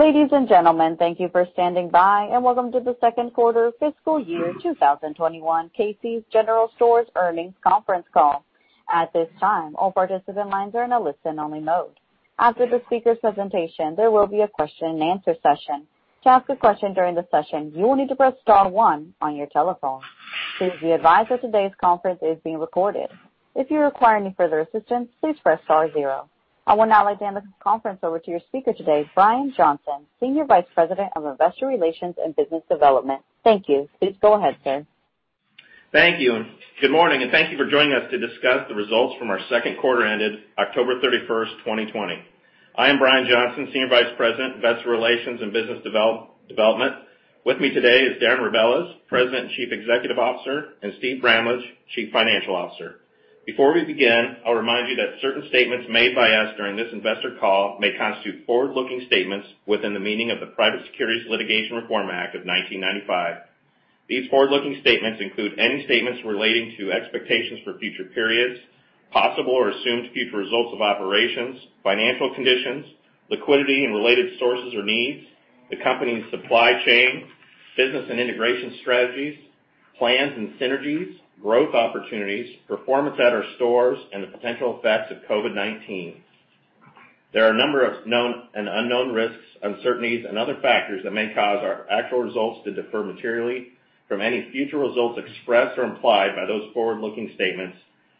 Ladies and gentlemen, thank you for standing by and welcome to the second quarter of fiscal year 2021, Casey's General Stores earnings conference call. At this time, all participant lines are in a listen-only mode. After the speaker's presentation, there will be a question-and-answer session. To ask a question during the session, you will need to press star one on your telephone. Please be advised that today's conference is being recorded. If you require any further assistance, please press star zero. I will now like to hand the conference over to your speaker today, Brian Johnson, Senior Vice President of Investor Relations and Business Development. Thank you. Please go ahead, sir. Thank you. Good morning and thank you for joining us to discuss the results from our second quarter ended October 31st, 2020. I am Brian Johnson, Senior Vice President of Investor Relations and Business Development. With me today is Darren Rebelez, President and Chief Executive Officer, and Steve Bramlage, Chief Financial Officer. Before we begin, I'll remind you that certain statements made by us during this investor call may constitute forward-looking statements within the meaning of the Private Securities Litigation Reform Act of 1995. These forward-looking statements include any statements relating to expectations for future periods, possible or assumed future results of operations, financial conditions, liquidity and related sources or needs, the company's supply chain, business and integration strategies, plans and synergies, growth opportunities, performance at our stores, and the potential effects of COVID-19. There are a number of known and unknown risks, uncertainties, and other factors that may cause our actual results to differ materially from any future results expressed or implied by those forward-looking statements,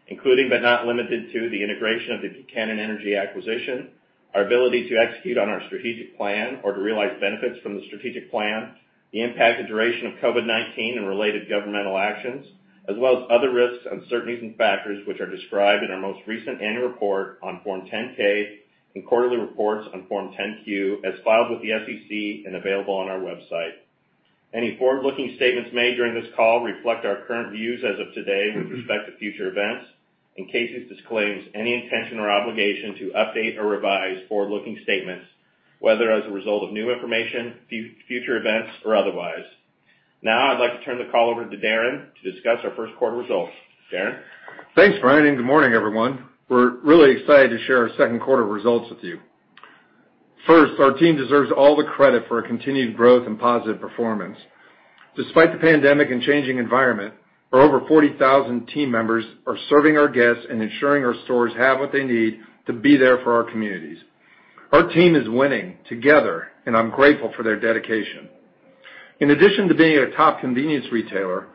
including but not limited to the integration of the Buchanan Energy acquisition, our ability to execute on our strategic plan or to realize benefits from the strategic plan, the impact of duration of COVID-19 and related governmental actions, as well as other risks, uncertainties, and factors which are described in our most recent annual report on Form 10-K and quarterly reports on Form 10-Q as filed with the SEC and available on our website. Any forward-looking statements made during this call reflect our current views as of today with respect to future events, and Casey's disclaims any intention or obligation to update or revise forward-looking statements, whether as a result of new information, future events, or otherwise. Now I'd like to turn the call over to Darren to discuss our first quarter results. Darren. Thanks, Brian. Good morning, everyone. We're really excited to share our second quarter results with you. First, our team deserves all the credit for our continued growth and positive performance. Despite the pandemic and changing environment, over 40,000 team members are serving our guests and ensuring our stores have what they need to be there for our communities. Our team is winning together, and I'm grateful for their dedication. In addition to being a top convenience retailer,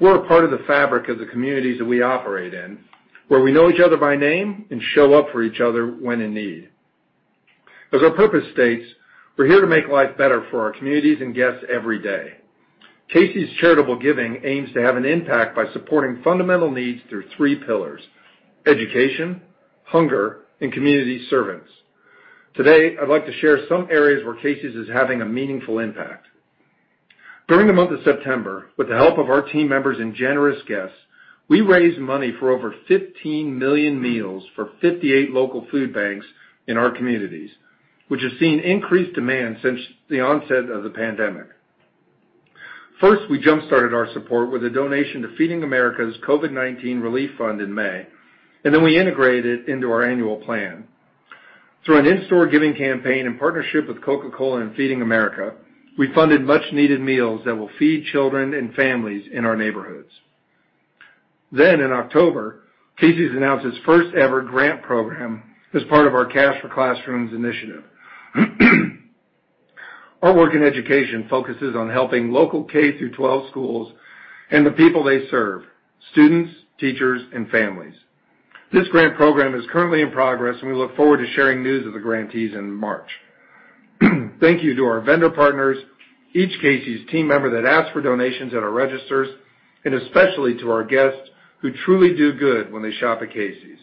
we're a part of the fabric of the communities that we operate in, where we know each other by name and show up for each other when in need. As our purpose states, we're here to make life better for our communities and guests every day. Casey's charitable giving aims to have an impact by supporting fundamental needs through three pillars: education, hunger, and community service. Today, I'd like to share some areas where Casey's is having a meaningful impact. During the month of September, with the help of our team members and generous guests, we raised money for over 15 million meals for 58 local food banks in our communities, which has seen increased demand since the onset of the pandemic. First, we jump-started our support with a donation to Feeding America's COVID-19 Relief Fund in May, and then we integrated it into our annual plan. Through an in-store giving campaign in partnership with Coca-Cola and Feeding America, we funded much-needed meals that will feed children and families in our neighborhoods. In October, Casey's announced its first-ever grant program as part of our Cash for Classrooms initiative. Our work in education focuses on helping local K through 12 schools and the people they serve: students, teachers, and families. This grant program is currently in progress, and we look forward to sharing news of the grantees in March. Thank you to our vendor partners, each Casey's team member that asked for donations at our registers, and especially to our guests who truly do good when they shop at Casey's.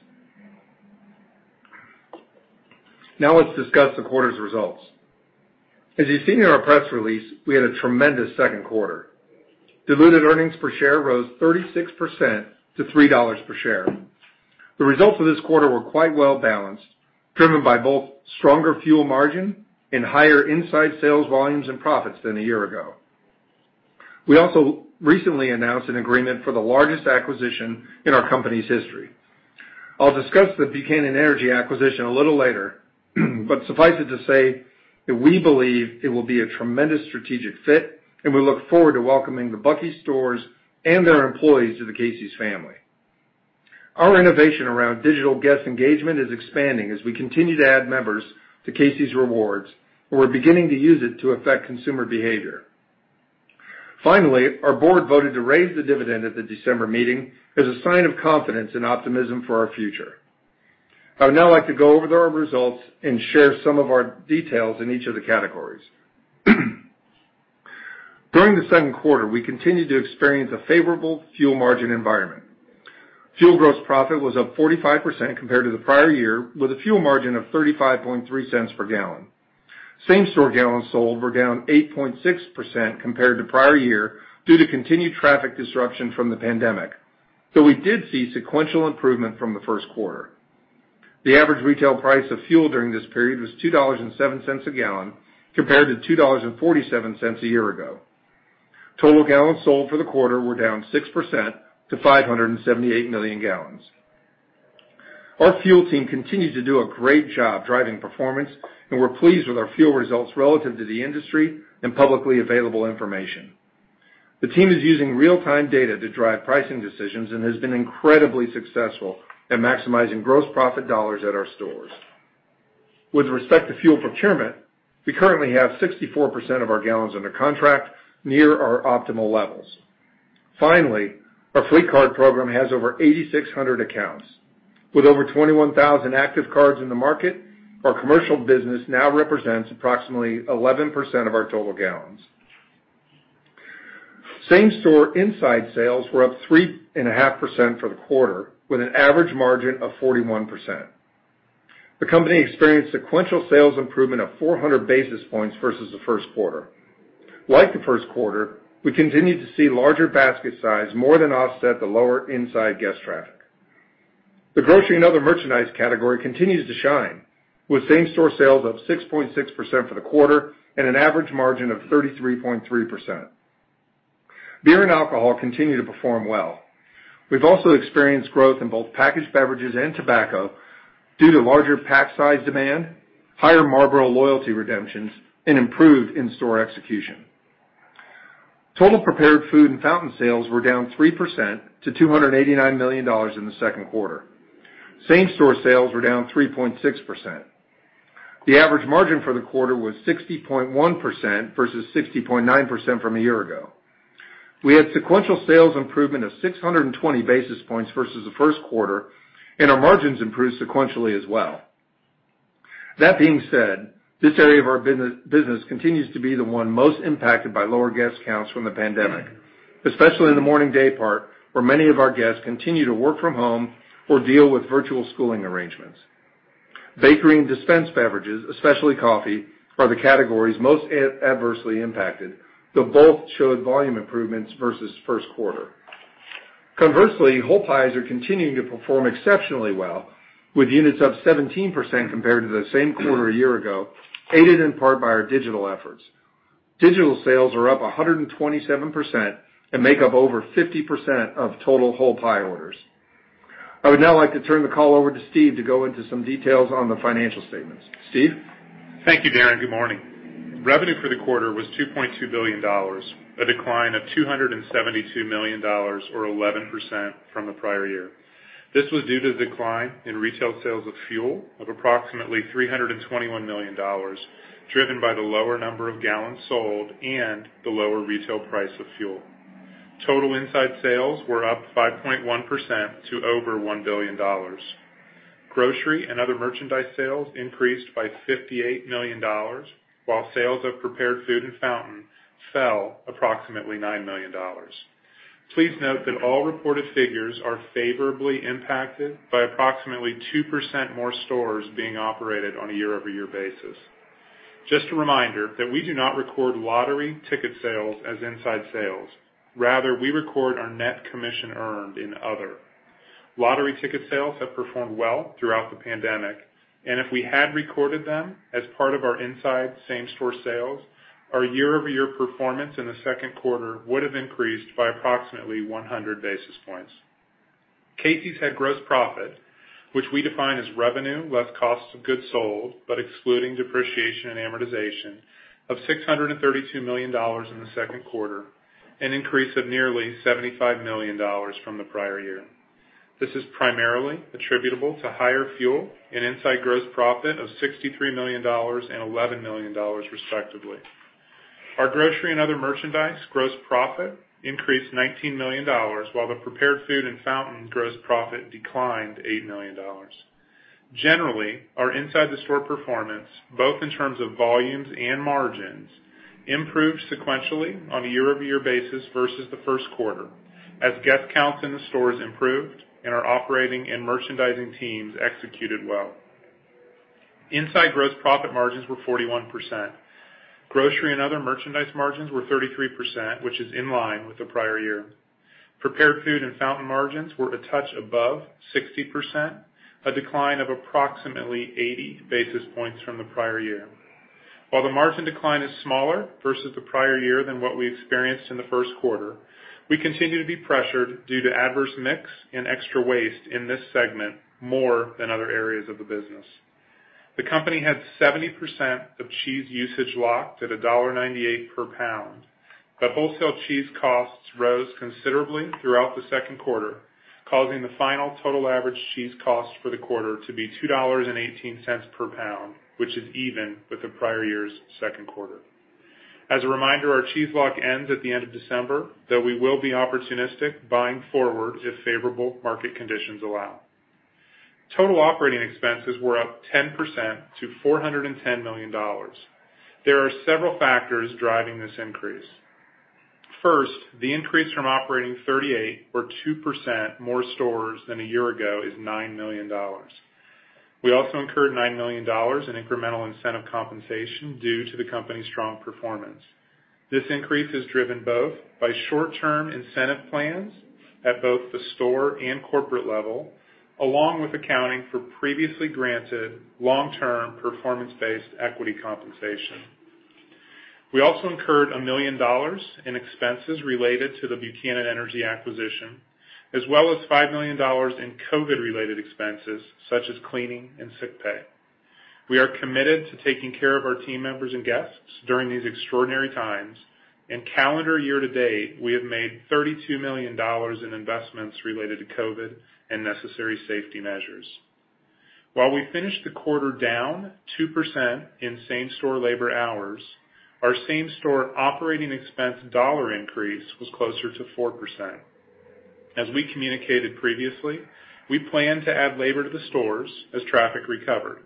Now let's discuss the quarter's results. As you've seen in our press release, we had a tremendous second quarter. Diluted earnings per share rose 36% to $3 per share. The results of this quarter were quite well-balanced, driven by both stronger fuel margin and higher inside sales volumes and profits than a year ago. We also recently announced an agreement for the largest acquisition in our company's history. I'll discuss the Buchanan Energy acquisition a little later, but suffice it to say that we believe it will be a tremendous strategic fit, and we look forward to welcoming the Bucky's stores and their employees to the Casey's family. Our innovation around digital guest engagement is expanding as we continue to add members to Casey's Rewards, and we're beginning to use it to affect consumer behavior. Finally, our board voted to raise the dividend at the December meeting as a sign of confidence and optimism for our future. I would now like to go over the results and share some of our details in each of the categories. During the second quarter, we continued to experience a favorable fuel margin environment. Fuel gross profit was up 45% compared to the prior year, with a fuel margin of $0.353 per gallon. Same-store gallons sold were down 8.6% compared to prior year due to continued traffic disruption from the pandemic, though we did see sequential improvement from the first quarter. The average retail price of fuel during this period was $2.07 a gallon compared to $2.47 a year ago. Total gallons sold for the quarter were down 6% to 578 million gallons. Our fuel team continues to do a great job driving performance, and we're pleased with our fuel results relative to the industry and publicly available information. The team is using real-time data to drive pricing decisions and has been incredibly successful at maximizing gross profit dollars at our stores. With respect to fuel procurement, we currently have 64% of our gallons under contract, near our optimal levels. Finally, our fleet card program has over 8,600 accounts. With over 21,000 active cards in the market, our commercial business now represents approximately 11% of our total gallons. Same-store inside sales were up 3.5% for the quarter, with an average margin of 41%. The company experienced sequential sales improvement of 400 basis points versus the first quarter. Like the first quarter, we continue to see larger basket size more than offset the lower inside guest traffic. The grocery and other merchandise category continues to shine, with same-store sales up 6.6% for the quarter and an average margin of 33.3%. Beer and alcohol continue to perform well. We've also experienced growth in both packaged beverages and tobacco due to larger pack size demand, higher Marlboro loyalty redemptions, and improved in-store execution. Total prepared food and fountain sales were down 3% to $289 million in the second quarter. Same-store sales were down 3.6%. The average margin for the quarter was 60.1% versus 60.9% from a year ago. We had sequential sales improvement of 620 basis points versus the first quarter, and our margins improved sequentially as well. That being said, this area of our business continues to be the one most impacted by lower guest counts from the pandemic, especially in the morning day part where many of our guests continue to work from home or deal with virtual schooling arrangements. Bakery and dispensed beverages, especially coffee, are the categories most adversely impacted, though both showed volume improvements versus first quarter. Conversely, whole pies are continuing to perform exceptionally well, with units up 17% compared to the same quarter a year ago, aided in part by our digital efforts. Digital sales are up 127% and make up over 50% of total whole pie orders. I would now like to turn the call over to Steve to go into some details on the financial statements. Steve? Thank you, Darren. Good morning. Revenue for the quarter was $2.2 billion, a decline of $272 million, or 11% from the prior year. This was due to the decline in retail sales of fuel of approximately $321 million, driven by the lower number of gallons sold and the lower retail price of fuel. Total inside sales were up 5.1% to over $1 billion. Grocery and other merchandise sales increased by $58 million, while sales of prepared food and fountain fell approximately $9 million. Please note that all reported figures are favorably impacted by approximately 2% more stores being operated on a year-over-year basis. Just a reminder that we do not record lottery ticket sales as inside sales. Rather, we record our net commission earned in other. Lottery ticket sales have performed well throughout the pandemic, and if we had recorded them as part of our inside same-store sales, our year-over-year performance in the second quarter would have increased by approximately 100 basis points. Casey's had gross profit, which we define as revenue less costs of goods sold, but excluding depreciation and amortization, of $632 million in the second quarter, an increase of nearly $75 million from the prior year. This is primarily attributable to higher fuel and inside gross profit of $63 million and $11 million, respectively. Our grocery and other merchandise gross profit increased $19 million, while the prepared food and fountain gross profit declined $8 million. Generally, our inside the store performance, both in terms of volumes and margins, improved sequentially on a year-over-year basis versus the first quarter, as guest counts in the stores improved and our operating and merchandising teams executed well. Inside gross profit margins were 41%. Grocery and other merchandise margins were 33%, which is in line with the prior year. Prepared food and fountain margins were a touch above 60%, a decline of approximately 80 basis points from the prior year. While the margin decline is smaller versus the prior year than what we experienced in the first quarter, we continue to be pressured due to adverse mix and extra waste in this segment more than other areas of the business. The company had 70% of cheese usage locked at $1.98 per pound, but wholesale cheese costs rose considerably throughout the second quarter, causing the final total average cheese cost for the quarter to be $2.18 per pound, which is even with the prior year's second quarter. As a reminder, our cheese lock ends at the end of December, though we will be opportunistic buying forward if favorable market conditions allow. Total operating expenses were up 10% to $410 million. There are several factors driving this increase. First, the increase from operating 38 or 2% more stores than a year ago is $9 million. We also incurred $9 million in incremental incentive compensation due to the company's strong performance. This increase is driven both by short-term incentive plans at both the store and corporate level, along with accounting for previously granted long-term performance-based equity compensation. We also incurred $1 million in expenses related to the Buchanan Energy acquisition, as well as $5 million in COVID related expenses such as cleaning and sick pay. We are committed to taking care of our team members and guests during these extraordinary times, and calendar year to date, we have made $32 million in investments related to COVID and necessary safety measures. While we finished the quarter down 2% in same-store labor hours, our same-store operating expense dollar increase was closer to 4%. As we communicated previously, we plan to add labor to the stores as traffic recovered.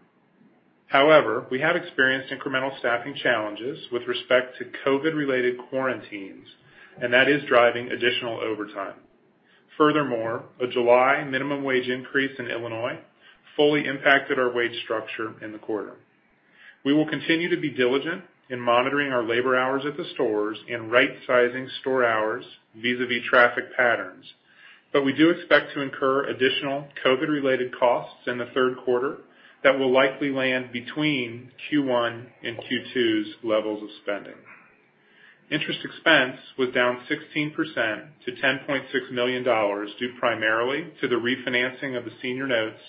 However, we have experienced incremental staffing challenges with respect to COVID-related quarantines, and that is driving additional overtime. Furthermore, a July minimum wage increase in Illinois fully impacted our wage structure in the quarter. We will continue to be diligent in monitoring our labor hours at the stores and right-sizing store hours vis-à-vis traffic patterns, but we do expect to incur additional COVID-related costs in the third quarter that will likely land between Q1 and Q2's levels of spending. Interest expense was down 16% to $10.6 million due primarily to the refinancing of the senior notes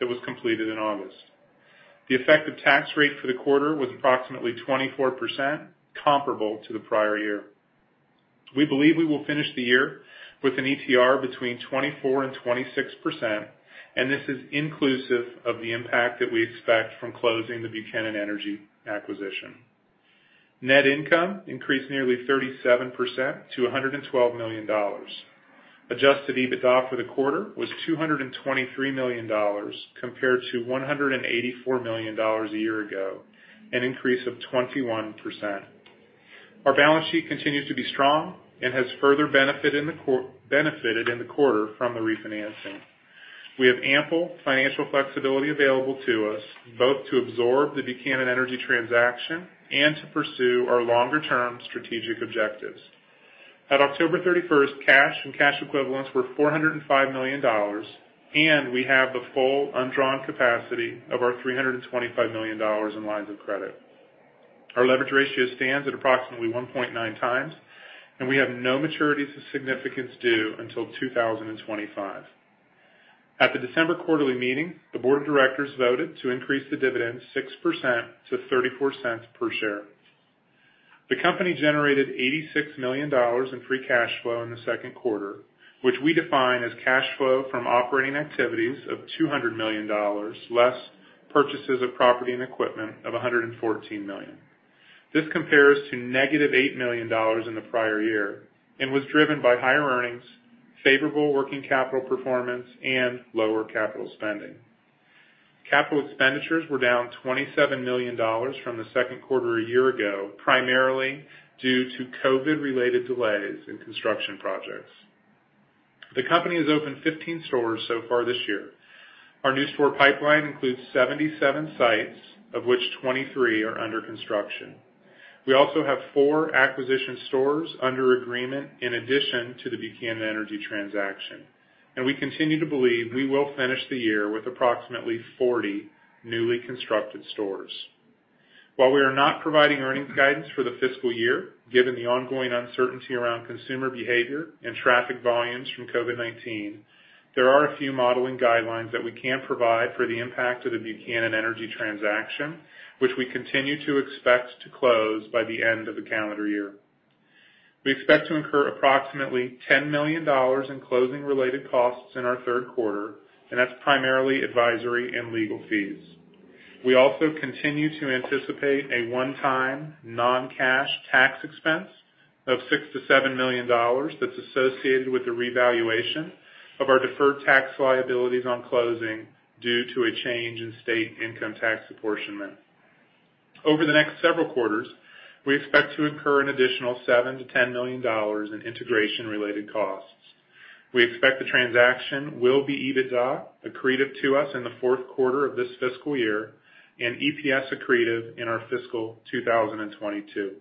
that was completed in August. The effective tax rate for the quarter was approximately 24%, comparable to the prior year. We believe we will finish the year with an ETR between 24%-26%, and this is inclusive of the impact that we expect from closing the Buchanan Energy acquisition. Net income increased nearly 37% to $112 million. Adjusted EBITDA for the quarter was $223 million compared to $184 million a year ago, an increase of 21%. Our balance sheet continues to be strong and has further benefited in the quarter from the refinancing. We have ample financial flexibility available to us both to absorb the Buchanan Energy transaction and to pursue our longer-term strategic objectives. At October 31st, cash and cash equivalents were $405 million, and we have the full undrawn capacity of our $325 million in lines of credit. Our leverage ratio stands at approximately 1.9x, and we have no maturities of significance due until 2025. At the December quarterly meeting, the board of directors voted to increase the dividend 6% to $0.34 per share. The company generated $86 million in free cash flow in the second quarter, which we define as cash flow from operating activities of $200 million less purchases of property and equipment of $114 million. This compares to negative $8 million in the prior year and was driven by higher earnings, favorable working capital performance, and lower capital spending. Capital expenditures were down $27 million from the second quarter a year ago, primarily due to COVID related delays in construction projects. The company has opened 15 stores so far this year. Our new store pipeline includes 77 sites, of which 23 are under construction. We also have four acquisition stores under agreement in addition to the Buchanan Energy transaction, and we continue to believe we will finish the year with approximately 40 newly constructed stores. While we are not providing earnings guidance for the fiscal year, given the ongoing uncertainty around consumer behavior and traffic volumes from COVID-19, there are a few modeling guidelines that we can provide for the impact of the Buchanan Energy transaction, which we continue to expect to close by the end of the calendar year. We expect to incur approximately $10 million in closing-related costs in our third quarter, and that's primarily advisory and legal fees. We also continue to anticipate a one-time non-cash tax expense of $6 million to $7 million that's associated with the revaluation of our deferred tax liabilities on closing due to a change in state income tax apportionment. Over the next several quarters, we expect to incur an additional $7 million to $10 million in integration-related costs. We expect the transaction will be EBITDA accretive to us in the fourth quarter of this fiscal year and EPS accretive in our fiscal 2022.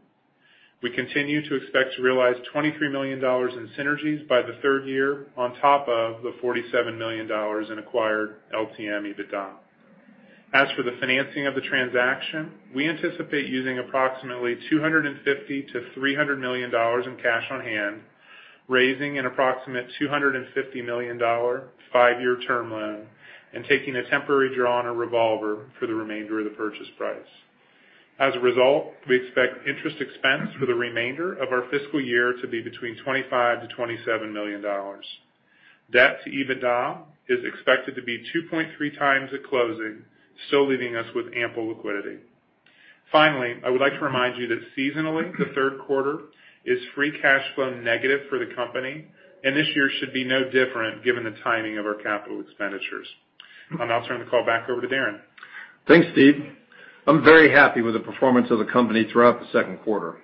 We continue to expect to realize $23 million in synergies by the third year on top of the $47 million in acquired LTM EBITDA. As for the financing of the transaction, we anticipate using approximately $250 million to $300 million in cash on hand, raising an approximate $250 million five-year term loan, and taking a temporary draw on a revolver for the remainder of the purchase price. As a result, we expect interest expense for the remainder of our fiscal year to be between $25 million-$27 million. Debt to EBITDA is expected to be 2.3x at closing, still leaving us with ample liquidity. Finally, I would like to remind you that seasonally, the third quarter is free cash flow negative for the company, and this year should be no different given the timing of our capital expenditures. I'll now turn the call back over to Darren. Thanks, Steve. I'm very happy with the performance of the company throughout the second quarter.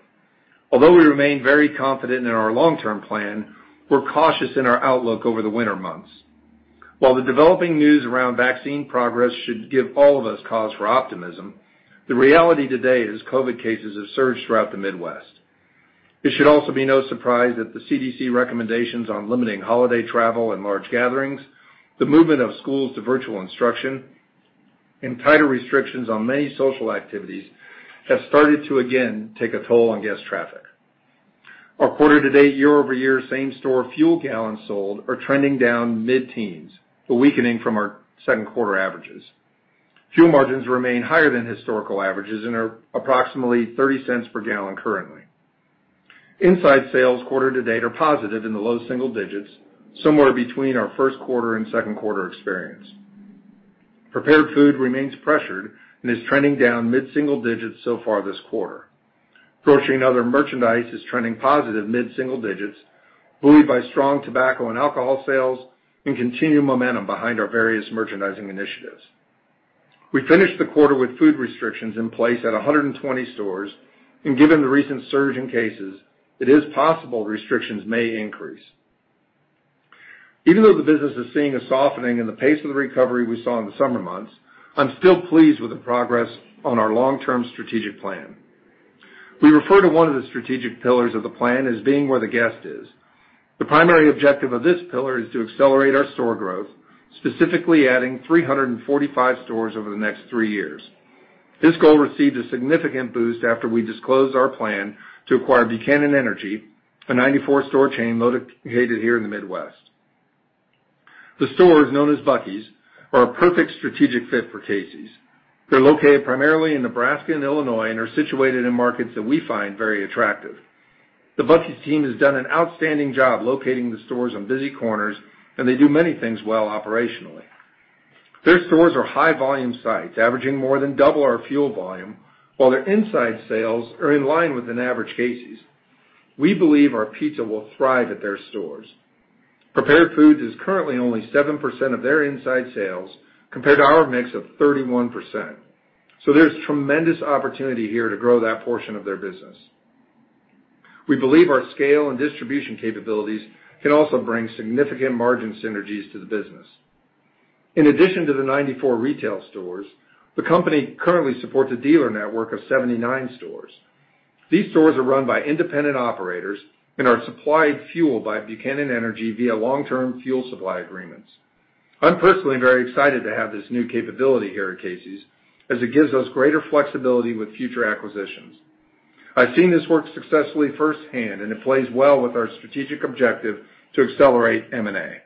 Although we remain very confident in our long-term plan, we're cautious in our outlook over the winter months. While the developing news around vaccine progress should give all of us cause for optimism, the reality today is COVID cases have surged throughout the Midwest. It should also be no surprise that the CDC recommendations on limiting holiday travel and large gatherings, the movement of schools to virtual instruction, and tighter restrictions on many social activities have started to again take a toll on guest traffic. Our quarter-to-date, year-over-year same-store fuel gallons sold are trending down mid-teens, a weakening from our second quarter averages. Fuel margins remain higher than historical averages and are approximately 30 cents per gallon currently. Inside sales quarter-to-date are positive in the low single digits, somewhere between our first quarter and second quarter experience. Prepared food remains pressured and is trending down mid-single digits so far this quarter. Grocery and other merchandise is trending positive mid-single digits, buoyed by strong tobacco and alcohol sales and continued momentum behind our various merchandising initiatives. We finished the quarter with food restrictions in place at 120 stores, and given the recent surge in cases, it is possible restrictions may increase. Even though the business is seeing a softening in the pace of the recovery we saw in the summer months, I'm still pleased with the progress on our long-term strategic plan. We refer to one of the strategic pillars of the plan as being where the guest is. The primary objective of this pillar is to accelerate our store growth, specifically adding 345 stores over the next three years. This goal received a significant boost after we disclosed our plan to acquire Buchanan Energy, a 94-store chain located here in the Midwest. The stores, known as Bucky's, are a perfect strategic fit for Casey's. They're located primarily in Nebraska and Illinois and are situated in markets that we find very attractive. The Bucky's team has done an outstanding job locating the stores on busy corners, and they do many things well operationally. Their stores are high-volume sites, averaging more than double our fuel volume, while their inside sales are in line with an average Casey's. We believe our pizza will thrive at their stores. Prepared food is currently only 7% of their inside sales compared to our mix of 31%. There is tremendous opportunity here to grow that portion of their business. We believe our scale and distribution capabilities can also bring significant margin synergies to the business. In addition to the 94 retail stores, the company currently supports a dealer network of 79 stores. These stores are run by independent operators and are supplied fuel by Buchanan Energy via long-term fuel supply agreements. I'm personally very excited to have this new capability here at Casey's, as it gives us greater flexibility with future acquisitions. I've seen this work successfully firsthand, and it plays well with our strategic objective to accelerate M&A.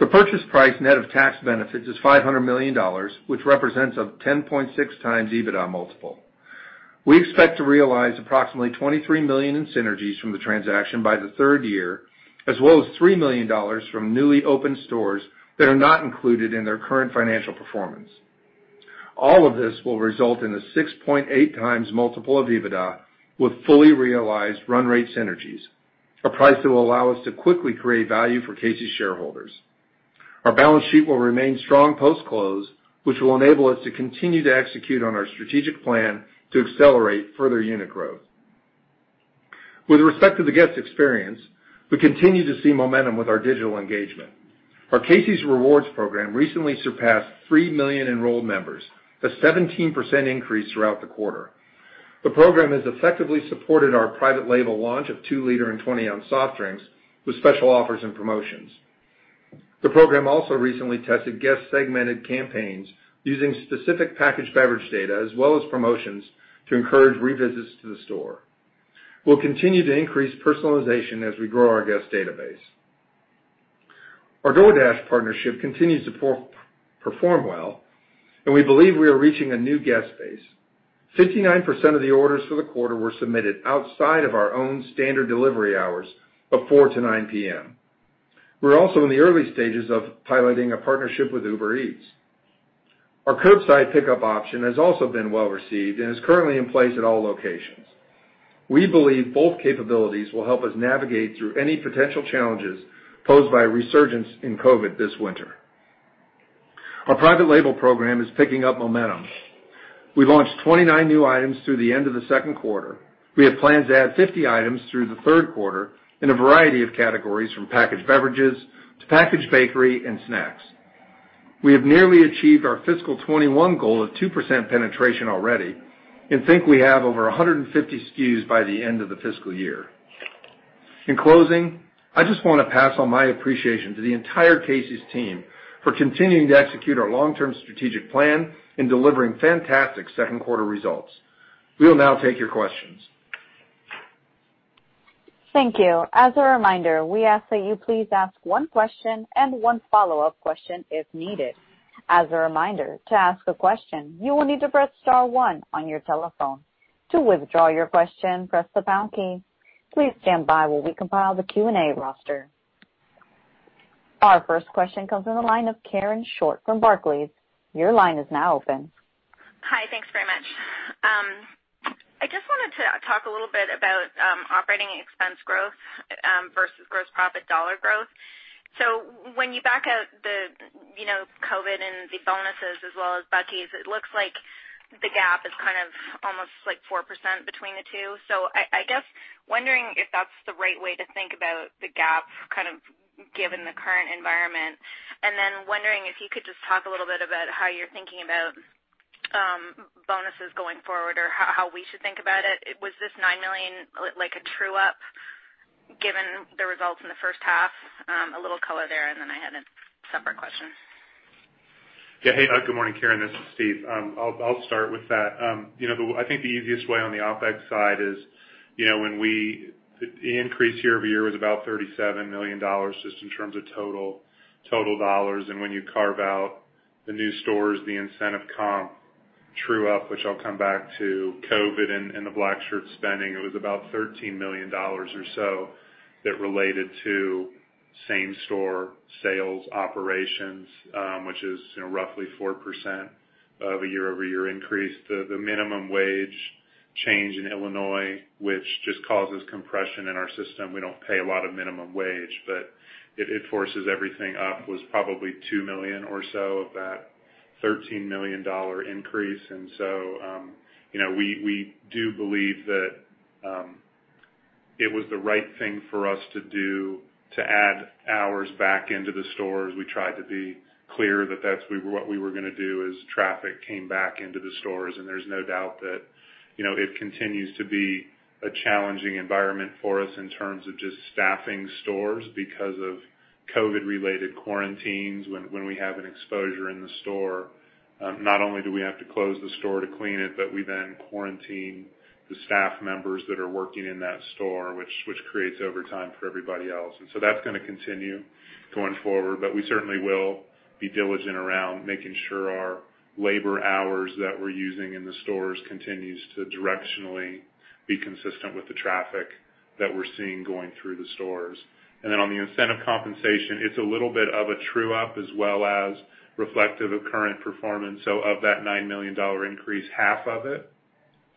The purchase price net of tax benefits is $500 million, which represents a 10.6x EBITDA multiple. We expect to realize approximately $23 million in synergies from the transaction by the third year, as well as $3 million from newly opened stores that are not included in their current financial performance. All of this will result in a 6.8x multiple of EBITDA with fully realized run rate synergies, a price that will allow us to quickly create value for Casey's shareholders. Our balance sheet will remain strong post-close, which will enable us to continue to execute on our strategic plan to accelerate further unit growth. With respect to the guest experience, we continue to see momentum with our digital engagement. Our Casey's Rewards program recently surpassed 3 million enrolled members, a 17% increase throughout the quarter. The program has effectively supported our private label launch of two-liter and 20-ounce soft drinks with special offers and promotions. The program also recently tested guest-segmented campaigns using specific packaged beverage data as well as promotions to encourage revisits to the store. We'll continue to increase personalization as we grow our guest database. Our DoorDash partnership continues to perform well, and we believe we are reaching a new guest base. 59% of the orders for the quarter were submitted outside of our own standard delivery hours of 4:00 to 9:00 P.M. We're also in the early stages of piloting a partnership with Uber Eats. Our curbside pickup option has also been well received and is currently in place at all locations. We believe both capabilities will help us navigate through any potential challenges posed by a resurgence in COVID this winter. Our private label program is picking up momentum. We launched 29 new items through the end of the second quarter. We have plans to add 50 items through the third quarter in a variety of categories from packaged beverages to packaged bakery and snacks. We have nearly achieved our fiscal 2021 goal of 2% penetration already and think we have over 150 SKUs by the end of the fiscal year. In closing, I just want to pass on my appreciation to the entire Casey's team for continuing to execute our long-term strategic plan and delivering fantastic second quarter results. We will now take your questions. Thank you. As a reminder, we ask that you please ask one question and one follow-up question if needed. As a reminder, to ask a question, you will need to press star one on your telephone. To withdraw your question, press the pound key. Please stand by while we compile the Q&A roster. Our first question comes in the line of Karen Short from Barclays. Your line is now open. Hi, thanks very much. I just wanted to talk a little bit about operating expense growth versus gross profit dollar growth. When you back out the COVID and the bonuses as well as Bucky's, it looks like the gap is kind of almost like 4% between the two. I guess wondering if that's the right way to think about the gap kind of given the current environment, and then wondering if you could just talk a little bit about how you're thinking about bonuses going forward or how we should think about it. Was this $9 million a true-up given the results in the first half? A little color there, and then I had a separate question. Yeah, hey, good morning, Karen. This is Steve. I'll start with that. I think the easiest way on the OpEx side is when we increased year-over-year was about $37 million just in terms of total dollars. When you carve out the new stores, the incentive comp true-up, which I'll come back to COVID and the black shirt spending, it was about $13 million or so that related to same-store sales operations, which is roughly 4% of a year-over-year increase. The minimum wage change in Illinois, which just causes compression in our system. We do not pay a lot of minimum wage, but it forces everything up, was probably $2 million or so of that $13 million increase. We do believe that it was the right thing for us to do to add hours back into the stores. We tried to be clear that that's what we were going to do as traffic came back into the stores. There is no doubt that it continues to be a challenging environment for us in terms of just staffing stores because of COVID-related quarantines when we have an exposure in the store. Not only do we have to close the store to clean it, but we then quarantine the staff members that are working in that store, which creates overtime for everybody else. That is going to continue going forward, but we certainly will be diligent around making sure our labor hours that we are using in the stores continues to directionally be consistent with the traffic that we are seeing going through the stores. On the incentive compensation, it is a little bit of a true-up as well as reflective of current performance. Of that $9 million increase, half of it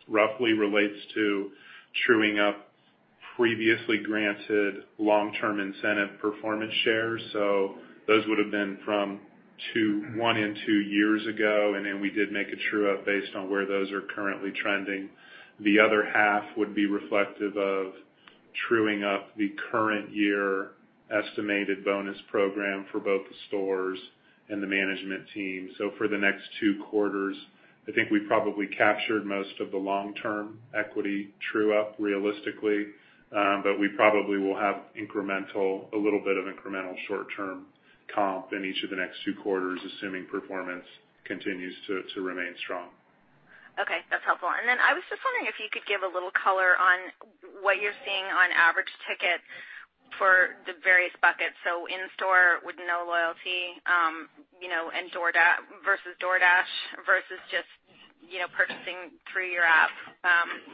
roughly relates to truing up previously granted long-term incentive performance shares. Those would have been from one and two years ago, and then we did make a true-up based on where those are currently trending. The other half would be reflective of truing up the current year estimated bonus program for both the stores and the management team. For the next two quarters, I think we probably captured most of the long-term equity true-up realistically, but we probably will have a little bit of incremental short-term comp in each of the next two quarters, assuming performance continues to remain strong. Okay, that's helpful. I was just wondering if you could give a little color on what you're seeing on average ticket for the various buckets. In-store with no loyalty versus DoorDash versus just purchasing through your app,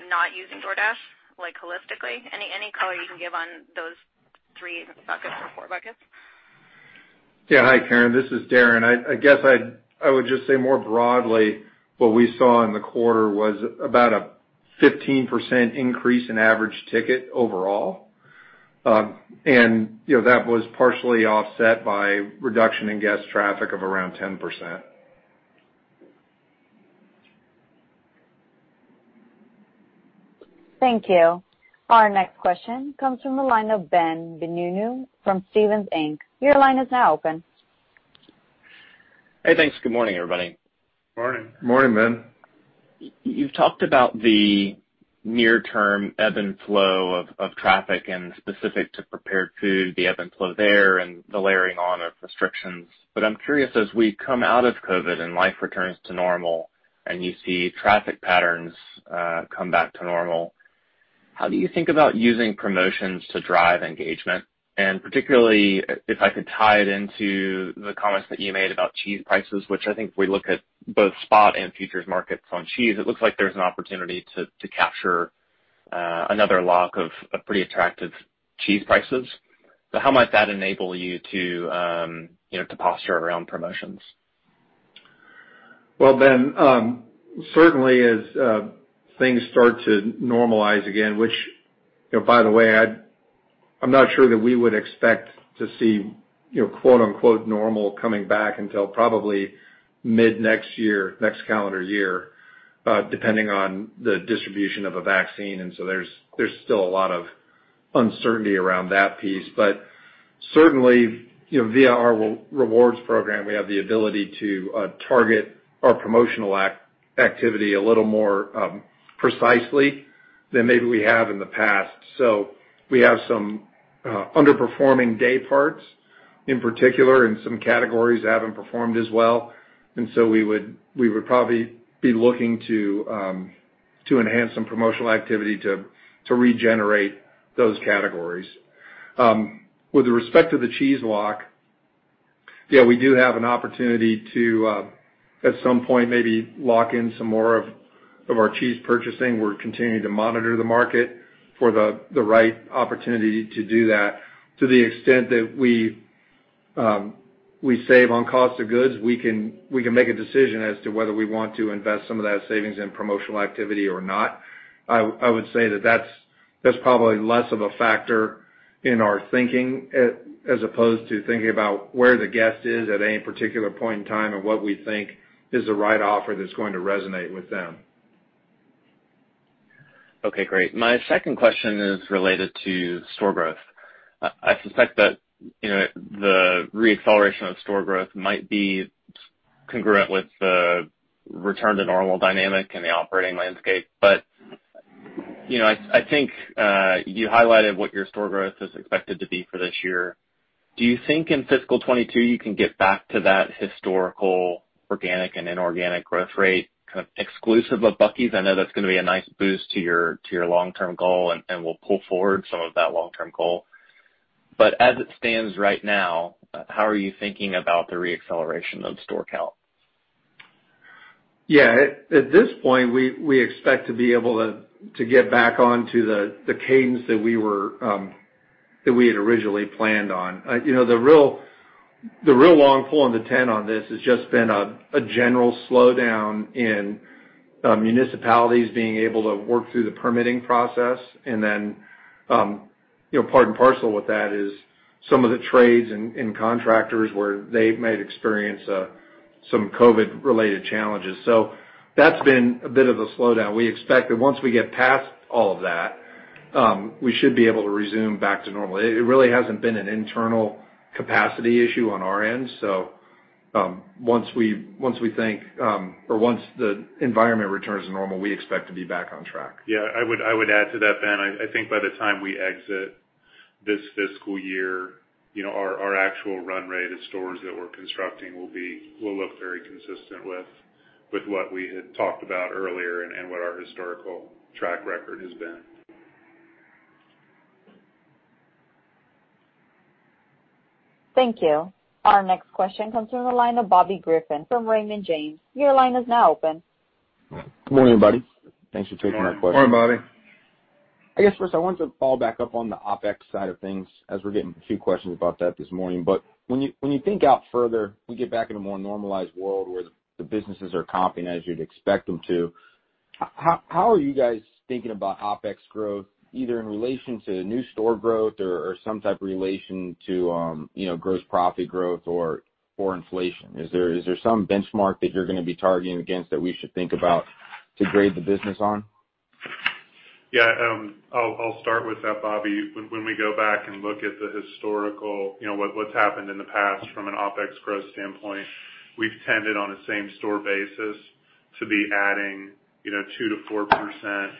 not using DoorDash holistically. Any color you can give on those three buckets or four buckets? Yeah, hi, Karen. This is Darren. I guess I would just say more broadly, what we saw in the quarter was about a 15% increase in average ticket overall. That was partially offset by reduction in guest traffic of around 10%. Thank you. Our next question comes from the line of Ben Bienvenu from Stephens Inc. Your line is now open. Hey, thanks. Good morning, everybody. Morning. Morning, Ben. You've talked about the near-term ebb and flow of traffic and specific to prepared food, the ebb and flow there and the layering on of restrictions. I'm curious, as we come out of COVID and life returns to normal and you see traffic patterns come back to normal, how do you think about using promotions to drive engagement? Particularly, if I could tie it into the comments that you made about cheese prices, which I think we look at both spot and futures markets on cheese, it looks like there's an opportunity to capture another lock of pretty attractive cheese prices. How might that enable you to posture around promotions? Ben, certainly as things start to normalize again, which, by the way, I'm not sure that we would expect to see "normal" coming back until probably mid next year, next calendar year, depending on the distribution of a vaccine. There is still a lot of uncertainty around that piece. Certainly, via our rewards program, we have the ability to target our promotional activity a little more precisely than maybe we have in the past. We have some underperforming day parts in particular in some categories that have not performed as well. We would probably be looking to enhance some promotional activity to regenerate those categories. With respect to the cheese lock, yeah, we do have an opportunity to, at some point, maybe lock in some more of our cheese purchasing. We are continuing to monitor the market for the right opportunity to do that. To the extent that we save on cost of goods, we can make a decision as to whether we want to invest some of that savings in promotional activity or not. I would say that that's probably less of a factor in our thinking as opposed to thinking about where the guest is at any particular point in time and what we think is the right offer that's going to resonate with them. Okay, great. My second question is related to store growth. I suspect that the re-acceleration of store growth might be congruent with the return to normal dynamic in the operating landscape. I think you highlighted what your store growth is expected to be for this year. Do you think in fiscal 2022 you can get back to that historical organic and inorganic growth rate kind of exclusive of Bucky's? I know that's going to be a nice boost to your long-term goal, and we'll pull forward some of that long-term goal. As it stands right now, how are you thinking about the re-acceleration of store count? Yeah, at this point, we expect to be able to get back on to the cadence that we had originally planned on. The real long pull on the tent on this has just been a general slowdown in municipalities being able to work through the permitting process. Part and parcel with that is some of the trades and contractors where they may experience some COVID related challenges. That's been a bit of a slowdown. We expect that once we get past all of that, we should be able to resume back to normal. It really hasn't been an internal capacity issue on our end. Once we think or once the environment returns to normal, we expect to be back on track. Yeah, I would add to that, Ben. I think by the time we exit this fiscal year, our actual run rate of stores that we're constructing will look very consistent with what we had talked about earlier and what our historical track record has been. Thank you. Our next question comes from the line of Bobby Griffin from Raymond James. Your line is now open. Good morning, everybody. Thanks for taking our question. Morning, Bobby. I guess first, I wanted to follow back up on the OpEx side of things as we're getting a few questions about that this morning. When you think out further, we get back in a more normalized world where the businesses are copying as you'd expect them to. How are you guys thinking about OpEx growth, either in relation to new store growth or some type of relation to gross profit growth or inflation? Is there some benchmark that you're going to be targeting against that we should think about to grade the business on? Yeah, I'll start with that, Bobby. When we go back and look at the historical, what's happened in the past from an OpEx growth standpoint, we've tended on a same-store basis to be adding 2%-4%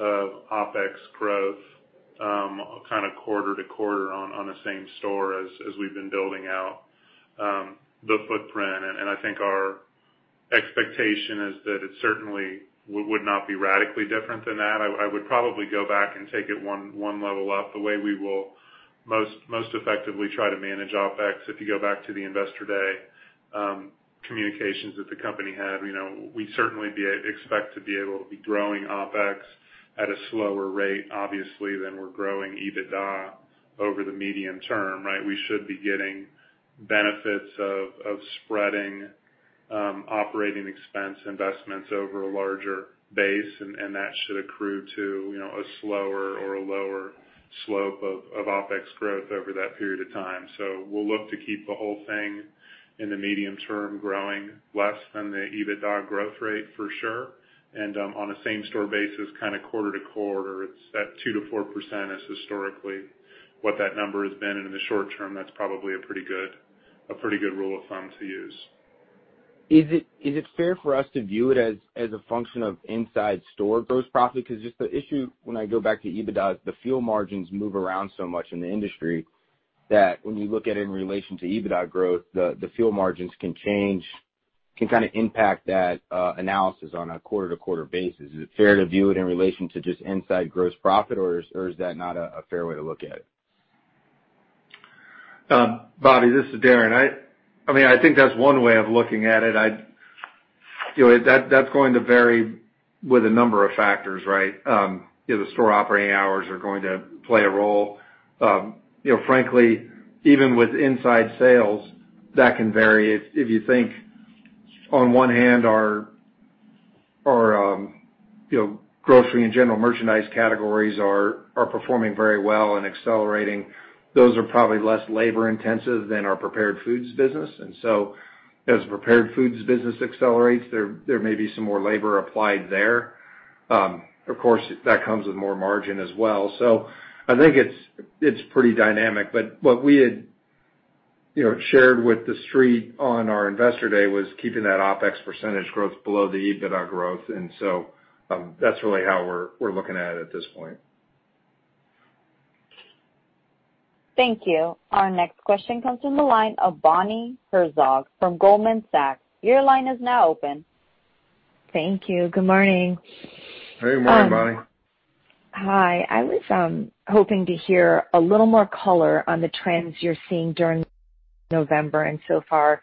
of OpEx growth kind of quarter to quarter on the same store as we've been building out the footprint. I think our expectation is that it certainly would not be radically different than that. I would probably go back and take it one level up the way we will most effectively try to manage OpEx. If you go back to the investor day communications that the company had, we certainly expect to be able to be growing OpEx at a slower rate, obviously, than we're growing EBITDA over the medium term, right? We should be getting benefits of spreading operating expense investments over a larger base, and that should accrue to a slower or a lower slope of OpEx growth over that period of time. We will look to keep the whole thing in the medium term growing less than the EBITDA growth rate for sure. On a same-store basis, kind of quarter to quarter, it's that 2%-4% is historically what that number has been. In the short term, that's probably a pretty good rule of thumb to use. Is it fair for us to view it as a function of inside store gross profit? Because just the issue when I go back to EBITDA is the fuel margins move around so much in the industry that when you look at it in relation to EBITDA growth, the fuel margins can change, can kind of impact that analysis on a quarter-to-quarter basis. Is it fair to view it in relation to just inside gross profit, or is that not a fair way to look at it? Bobby, this is Darren. I mean, I think that's one way of looking at it. That's going to vary with a number of factors, right? The store operating hours are going to play a role. Frankly, even with inside sales, that can vary. If you think on one hand, our grocery and general merchandise categories are performing very well and accelerating, those are probably less labor-intensive than our prepared foods business. As the prepared foods business accelerates, there may be some more labor applied there. Of course, that comes with more margin as well. I think it's pretty dynamic. What we had shared with the street on our investor day was keeping that OpEx percentage growth below the EBITDA growth. That's really how we're looking at it at this point. Thank you. Our next question comes from the line of Bonnie Herzog from Goldman Sachs. Your line is now open. Thank you. Good morning. Hey, good morning, Bonnie. Hi. I was hoping to hear a little more color on the trends you're seeing during November and so far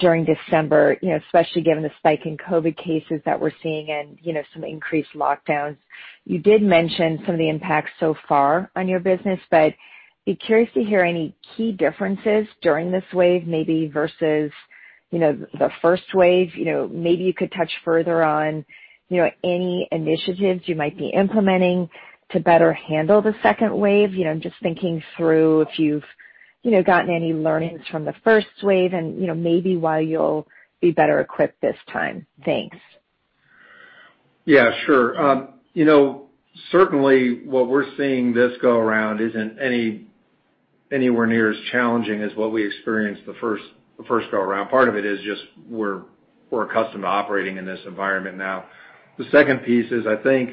during December, especially given the spike in COVID cases that we're seeing and some increased lockdowns. You did mention some of the impacts so far on your business, but be curious to hear any key differences during this wave, maybe versus the first wave. Maybe you could touch further on any initiatives you might be implementing to better handle the second wave. I'm just thinking through if you've gotten any learnings from the first wave and maybe why you'll be better equipped this time. Thanks. Yeah, sure. Certainly, what we're seeing this go around isn't anywhere near as challenging as what we experienced the first go around. Part of it is just we're accustomed to operating in this environment now. The second piece is I think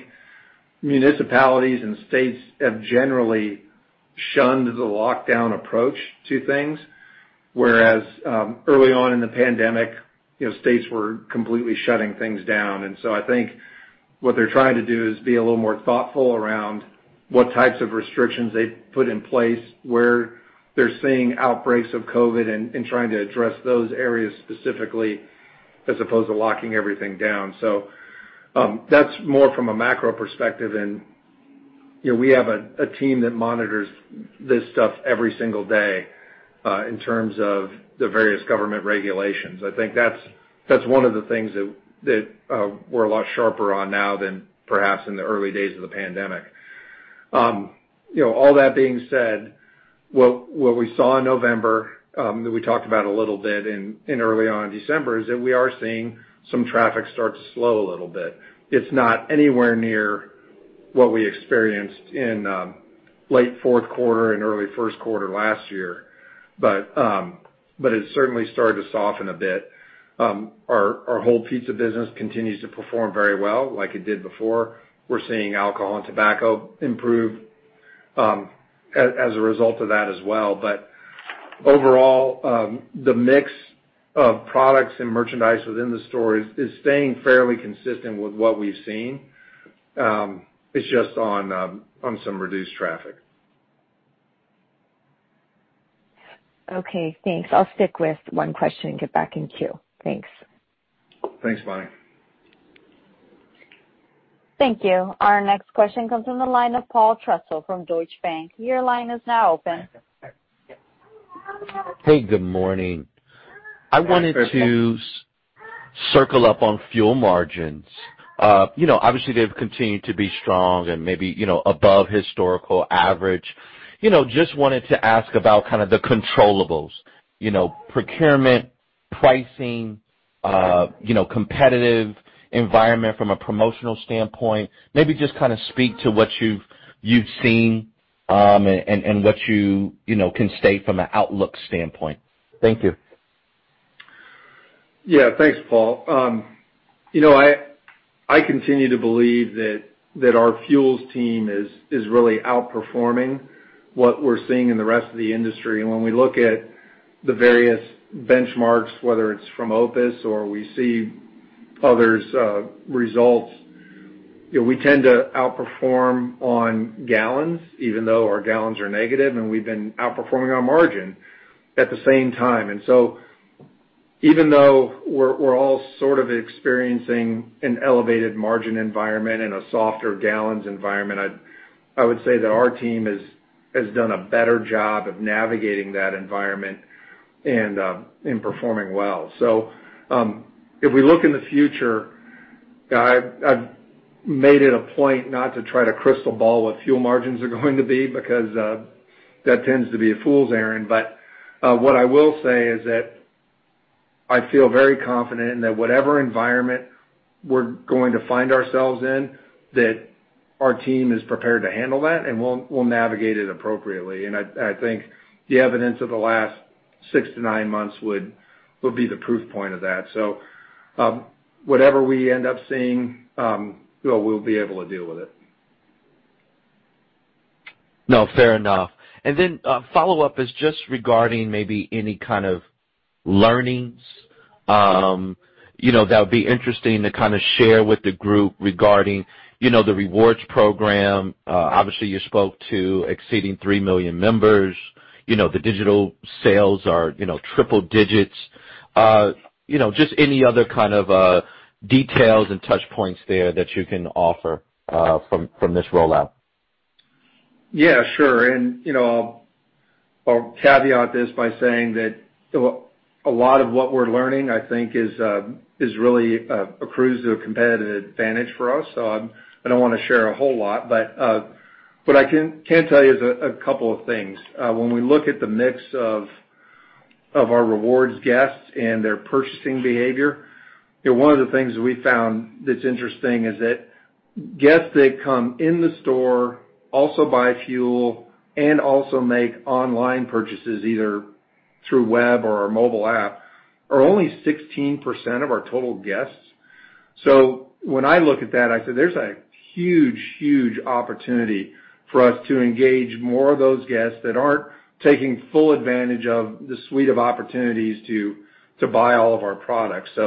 municipalities and states have generally shunned the lockdown approach to things, whereas early on in the pandemic, states were completely shutting things down. I think what they're trying to do is be a little more thoughtful around what types of restrictions they put in place where they're seeing outbreaks of COVID and trying to address those areas specifically as opposed to locking everything down. That's more from a macro perspective. We have a team that monitors this stuff every single day in terms of the various government regulations. I think that's one of the things that we're a lot sharper on now than perhaps in the early days of the pandemic. All that being said, what we saw in November that we talked about a little bit early on in December is that we are seeing some traffic start to slow a little bit. It's not anywhere near what we experienced in late fourth quarter and early first quarter last year, but it certainly started to soften a bit. Our whole pizza business continues to perform very well like it did before. We're seeing alcohol and tobacco improve as a result of that as well. Overall, the mix of products and merchandise within the stores is staying fairly consistent with what we've seen. It's just on some reduced traffic. Okay, thanks. I'll stick with one question and get back in queue. Thanks. Thanks, Bonnie. Thank you. Our next question comes from the line of Paul Trussell from Deutsche Bank. Your line is now open. Hey, good morning. I wanted to circle up on fuel margins. Obviously, they've continued to be strong and maybe above historical average. Just wanted to ask about kind of the controllables, procurement, pricing, competitive environment from a promotional standpoint. Maybe just kind of speak to what you've seen and what you can state from an outlook standpoint. Thank you. Yeah, thanks, Paul. I continue to believe that our fuels team is really outperforming what we're seeing in the rest of the industry. When we look at the various benchmarks, whether it's from OPIS or we see others' results, we tend to outperform on gallons, even though our gallons are negative, and we've been outperforming our margin at the same time. Even though we're all sort of experiencing an elevated margin environment and a softer gallons environment, I would say that our team has done a better job of navigating that environment and performing well. If we look in the future, I've made it a point not to try to crystal ball what fuel margins are going to be because that tends to be a fool's errand. What I will say is that I feel very confident in that whatever environment we're going to find ourselves in, that our team is prepared to handle that, and we'll navigate it appropriately. I think the evidence of the last six to nine months would be the proof point of that. Whatever we end up seeing, we'll be able to deal with it. No, fair enough. The follow-up is just regarding maybe any kind of learnings that would be interesting to kind of share with the group regarding the rewards program. Obviously, you spoke to exceeding 3 million members. The digital sales are triple digits. Just any other kind of details and touchpoints there that you can offer from this rollout? Yeah, sure. I'll caveat this by saying that a lot of what we're learning, I think, is really a cruise to a competitive advantage for us. I don't want to share a whole lot. What I can tell you is a couple of things. When we look at the mix of our rewards guests and their purchasing behavior, one of the things we found that's interesting is that guests that come in the store, also buy fuel, and also make online purchases either through web or our mobile app are only 16% of our total guests. When I look at that, I said, "There's a huge, huge opportunity for us to engage more of those guests that aren't taking full advantage of the suite of opportunities to buy all of our products."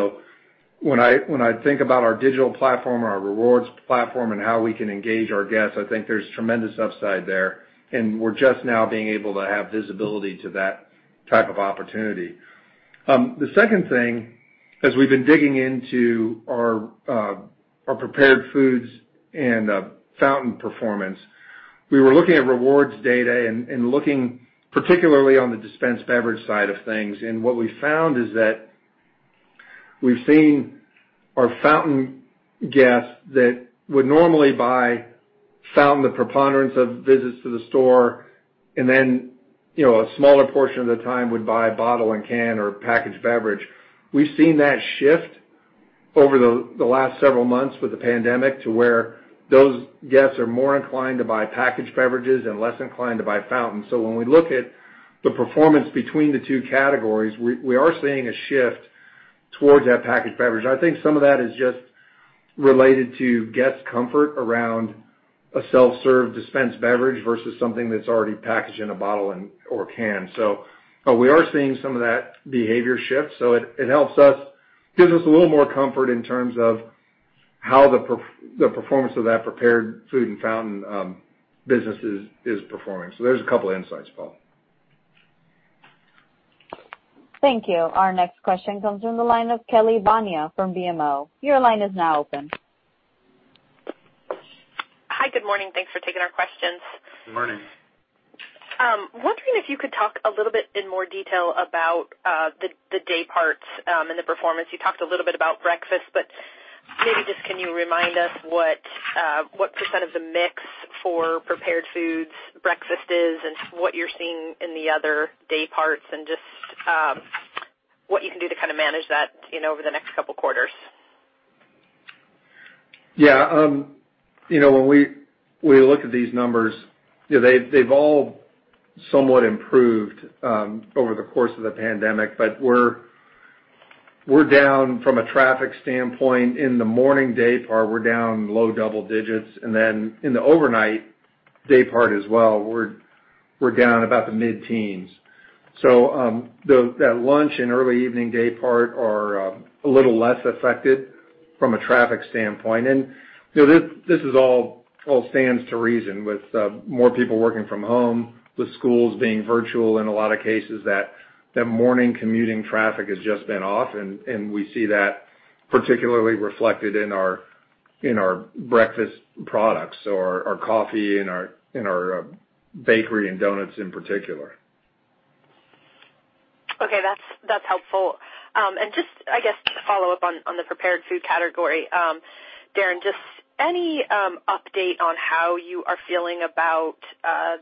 When I think about our digital platform, our rewards platform, and how we can engage our guests, I think there's tremendous upside there. We're just now being able to have visibility to that type of opportunity. The second thing, as we've been digging into our prepared foods and fountain performance, we were looking at rewards data and looking particularly on the dispensed beverage side of things. What we found is that we've seen our fountain guests that would normally buy fountain the preponderance of visits to the store, and then a smaller portion of the time would buy bottle and can or packaged beverage. We've seen that shift over the last several months with the pandemic to where those guests are more inclined to buy packaged beverages and less inclined to buy fountain. When we look at the performance between the two categories, we are seeing a shift towards that packaged beverage. I think some of that is just related to guest comfort around a self-serve dispensed beverage versus something that's already packaged in a bottle or can. We are seeing some of that behavior shift. It helps us, gives us a little more comfort in terms of how the performance of that prepared food and fountain business is performing. There's a couple of insights, Paul. Thank you. Our next question comes from the line of Kelly Bania from BMO. Your line is now open. Hi, good morning. Thanks for taking our questions. Good morning. Wondering if you could talk a little bit in more detail about the day parts and the performance. You talked a little bit about breakfast, but maybe just can you remind us what percent of the mix for prepared foods, breakfast is, and what you're seeing in the other day parts, and just what you can do to kind of manage that over the next couple of quarters? Yeah. When we look at these numbers, they've all somewhat improved over the course of the pandemic, but we're down from a traffic standpoint. In the morning day part, we're down low double digits. In the overnight day part as well, we're down about the mid-teens. That lunch and early evening day part are a little less affected from a traffic standpoint. This all stands to reason with more people working from home, with schools being virtual in a lot of cases, that morning commuting traffic has just been off. We see that particularly reflected in our breakfast products or our coffee and our bakery and donuts in particular. Okay, that's helpful. Just, I guess, to follow up on the prepared food category, Darren, just any update on how you are feeling about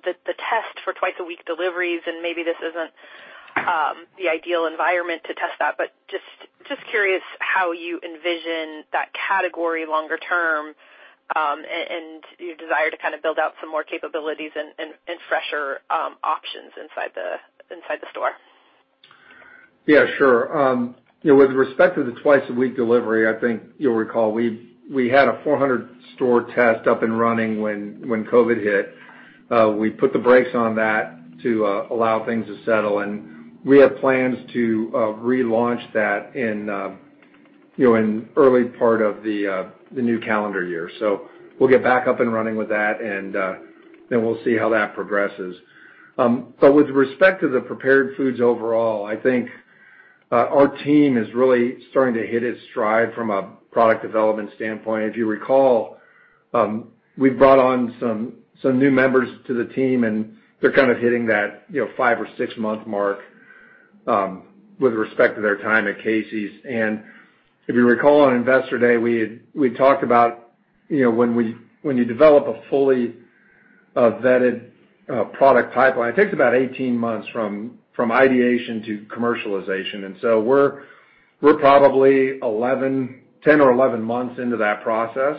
the test for twice-a-week deliveries? Maybe this isn't the ideal environment to test that, but just curious how you envision that category longer term and your desire to kind of build out some more capabilities and fresher options inside the store. Yeah, sure. With respect to the twice-a-week delivery, I think you'll recall we had a 400-store test up and running when COVID hit. We put the brakes on that to allow things to settle. We have plans to relaunch that in the early part of the new calendar year. We'll get back up and running with that, and we'll see how that progresses. With respect to the prepared foods overall, I think our team is really starting to hit its stride from a product development standpoint. If you recall, we've brought on some new members to the team, and they're kind of hitting that five or six-month mark with respect to their time at Casey's. If you recall on investor day, we talked about when you develop a fully vetted product pipeline, it takes about 18 months from ideation to commercialization. We're probably 10 or 11 months into that process.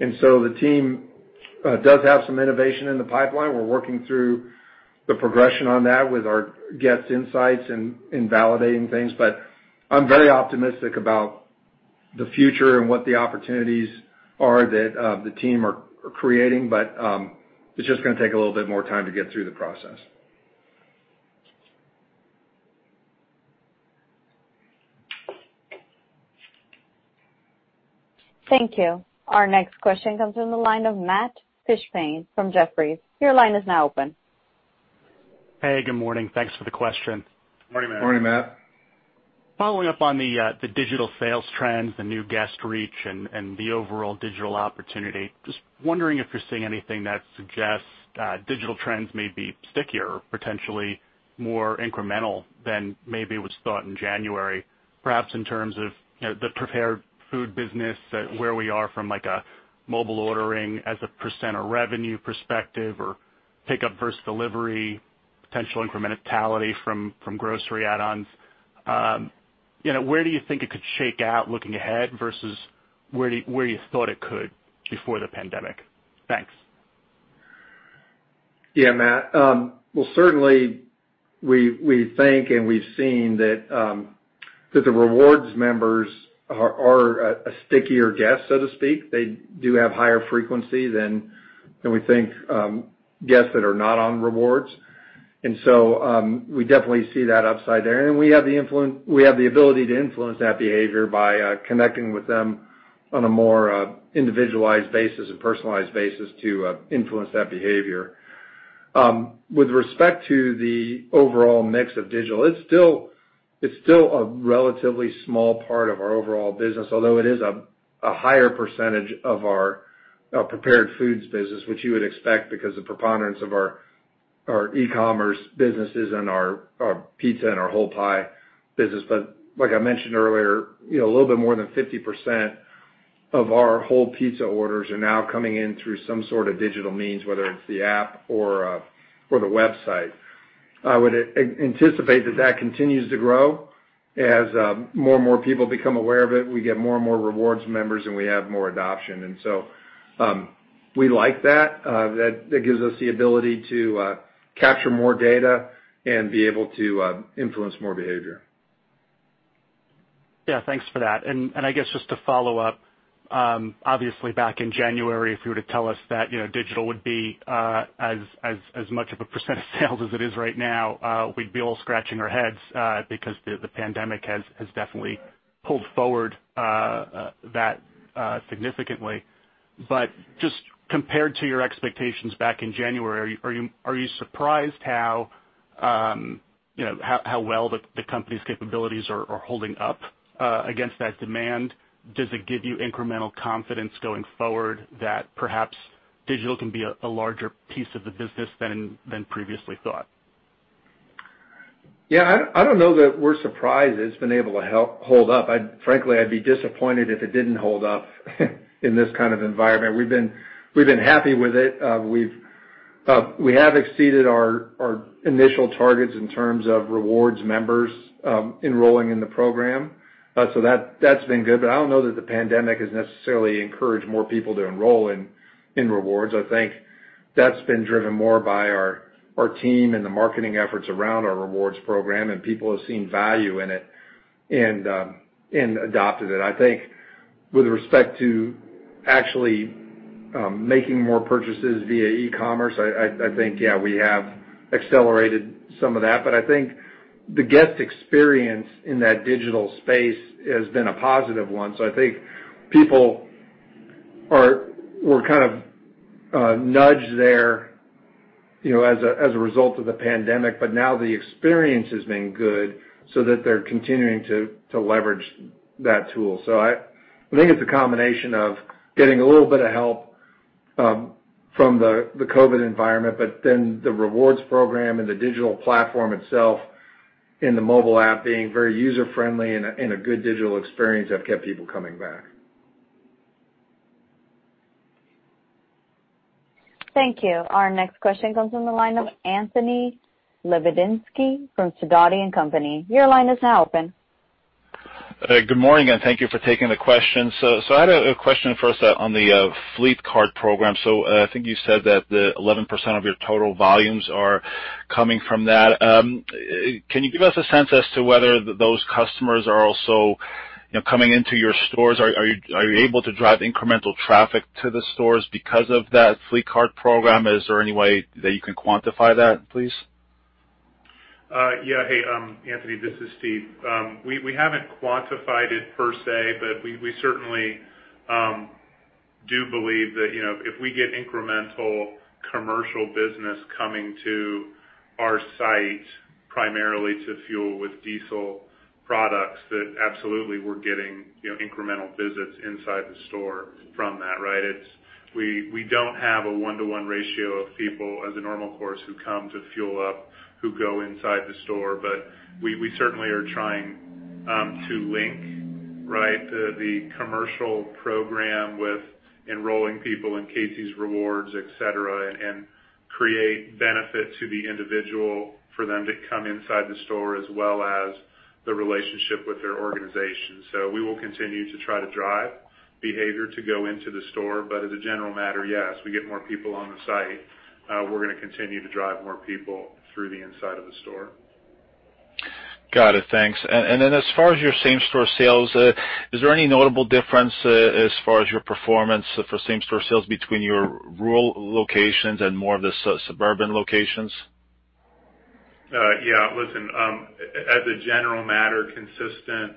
The team does have some innovation in the pipeline. We're working through the progression on that with our guest insights and validating things. I'm very optimistic about the future and what the opportunities are that the team are creating. It's just going to take a little bit more time to get through the process. Thank you. Our next question comes from the line of Matt Fishbein from Jefferies. Your line is now open. Hey, good morning. Thanks for the question. Good morning, Matt. Good morning, Matt. Following up on the digital sales trends, the new guest reach, and the overall digital opportunity, just wondering if you're seeing anything that suggests digital trends may be stickier or potentially more incremental than maybe was thought in January, perhaps in terms of the prepared food business, where we are from a mobile ordering as a % of revenue perspective or pickup versus delivery, potential incrementality from grocery add-ons. Where do you think it could shake out looking ahead versus where you thought it could before the pandemic? Thanks. Yeah, Matt. Certainly, we think and we've seen that the rewards members are a stickier guest, so to speak. They do have higher frequency than we think guests that are not on rewards. We definitely see that upside there. We have the ability to influence that behavior by connecting with them on a more individualized basis and personalized basis to influence that behavior. With respect to the overall mix of digital, it's still a relatively small part of our overall business, although it is a higher percentage of our prepared foods business, which you would expect because the preponderance of our e-commerce business is in our pizza and our whole pie business. Like I mentioned earlier, a little bit more than 50% of our whole pizza orders are now coming in through some sort of digital means, whether it's the app or the website. I would anticipate that that continues to grow as more and more people become aware of it. We get more and more rewards members, and we have more adoption. We like that. That gives us the ability to capture more data and be able to influence more behavior. Yeah, thanks for that. I guess just to follow up, obviously, back in January, if you were to tell us that digital would be as much of a percent of sales as it is right now, we'd be all scratching our heads because the pandemic has definitely pulled forward that significantly. Just compared to your expectations back in January, are you surprised how well the company's capabilities are holding up against that demand? Does it give you incremental confidence going forward that perhaps digital can be a larger piece of the business than previously thought? Yeah, I don't know that we're surprised it's been able to hold up. Frankly, I'd be disappointed if it didn't hold up in this kind of environment. We've been happy with it. We have exceeded our initial targets in terms of rewards members enrolling in the program. That's been good. I don't know that the pandemic has necessarily encouraged more people to enroll in rewards. I think that's been driven more by our team and the marketing efforts around our rewards program, and people have seen value in it and adopted it. I think with respect to actually making more purchases via e-commerce, I think, yeah, we have accelerated some of that. I think the guest experience in that digital space has been a positive one. I think people were kind of nudged there as a result of the pandemic, but now the experience has been good so that they're continuing to leverage that tool. I think it's a combination of getting a little bit of help from the COVID environment, but then the rewards program and the digital platform itself and the mobile app being very user-friendly and a good digital experience have kept people coming back. Thank you. Our next question comes from the line of Anthony Lebiedzinski from Sidoti & Company. Your line is now open. Good morning, and thank you for taking the question. I had a question first on the fleet card program. I think you said that 11% of your total volumes are coming from that. Can you give us a sense as to whether those customers are also coming into your stores? Are you able to drive incremental traffic to the stores because of that fleet card program? Is there any way that you can quantify that, please? Yeah. Hey, Anthony, this is Steve. We haven't quantified it per se, but we certainly do believe that if we get incremental commercial business coming to our site, primarily to fuel with diesel products, that absolutely we're getting incremental visits inside the store from that, right? We don't have a one-to-one ratio of people, as a normal course, who come to fuel up, who go inside the store. We certainly are trying to link, right, the commercial program with enrolling people in Casey's Rewards, etc., and create benefit to the individual for them to come inside the store as well as the relationship with their organization. We will continue to try to drive behavior to go into the store. As a general matter, yes, we get more people on the site. We're going to continue to drive more people through the inside of the store. Got it. Thanks. As far as your same-store sales, is there any notable difference as far as your performance for same-store sales between your rural locations and more of the suburban locations? Yeah. Listen, as a general matter, consistent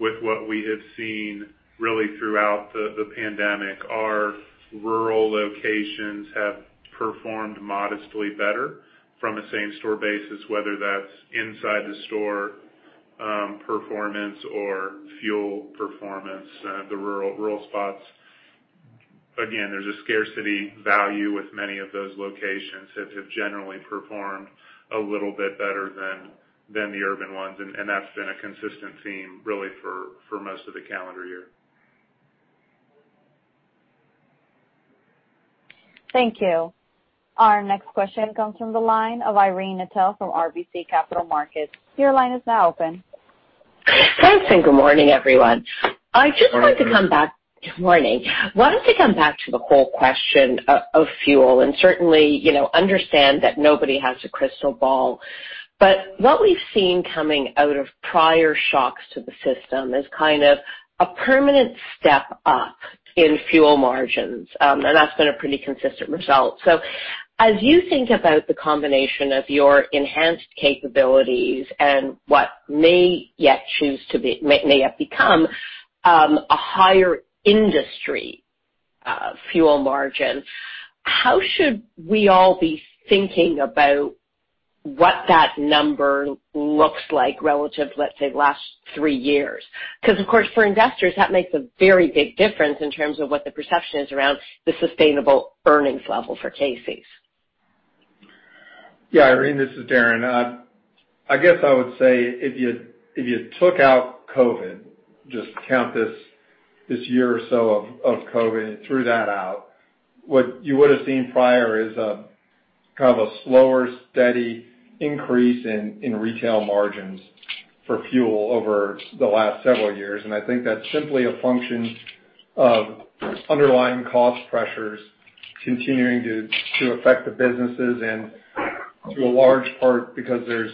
with what we have seen really throughout the pandemic, our rural locations have performed modestly better from a same-store basis, whether that's inside the store performance or fuel performance. The rural spots, again, there's a scarcity value with many of those locations that have generally performed a little bit better than the urban ones. That has been a consistent theme really for most of the calendar year. Thank you. Our next question comes from the line of Irene Nattel from RBC Capital Markets. Your line is now open. Thanks and good morning, everyone. I just wanted to come back. Good morning. Wanted to come back to the whole question of fuel and certainly understand that nobody has a crystal ball. What we've seen coming out of prior shocks to the system is kind of a permanent step up in fuel margins. That's been a pretty consistent result. As you think about the combination of your enhanced capabilities and what may yet become a higher industry fuel margin, how should we all be thinking about what that number looks like relative, let's say, last three years? For investors, that makes a very big difference in terms of what the perception is around the sustainable earnings level for Casey's. Yeah. Irene, this is Darren. I guess I would say if you took out COVID, just count this year or so of COVID and threw that out, what you would have seen prior is kind of a slower, steady increase in retail margins for fuel over the last several years. I think that's simply a function of underlying cost pressures continuing to affect the businesses and to a large part because there's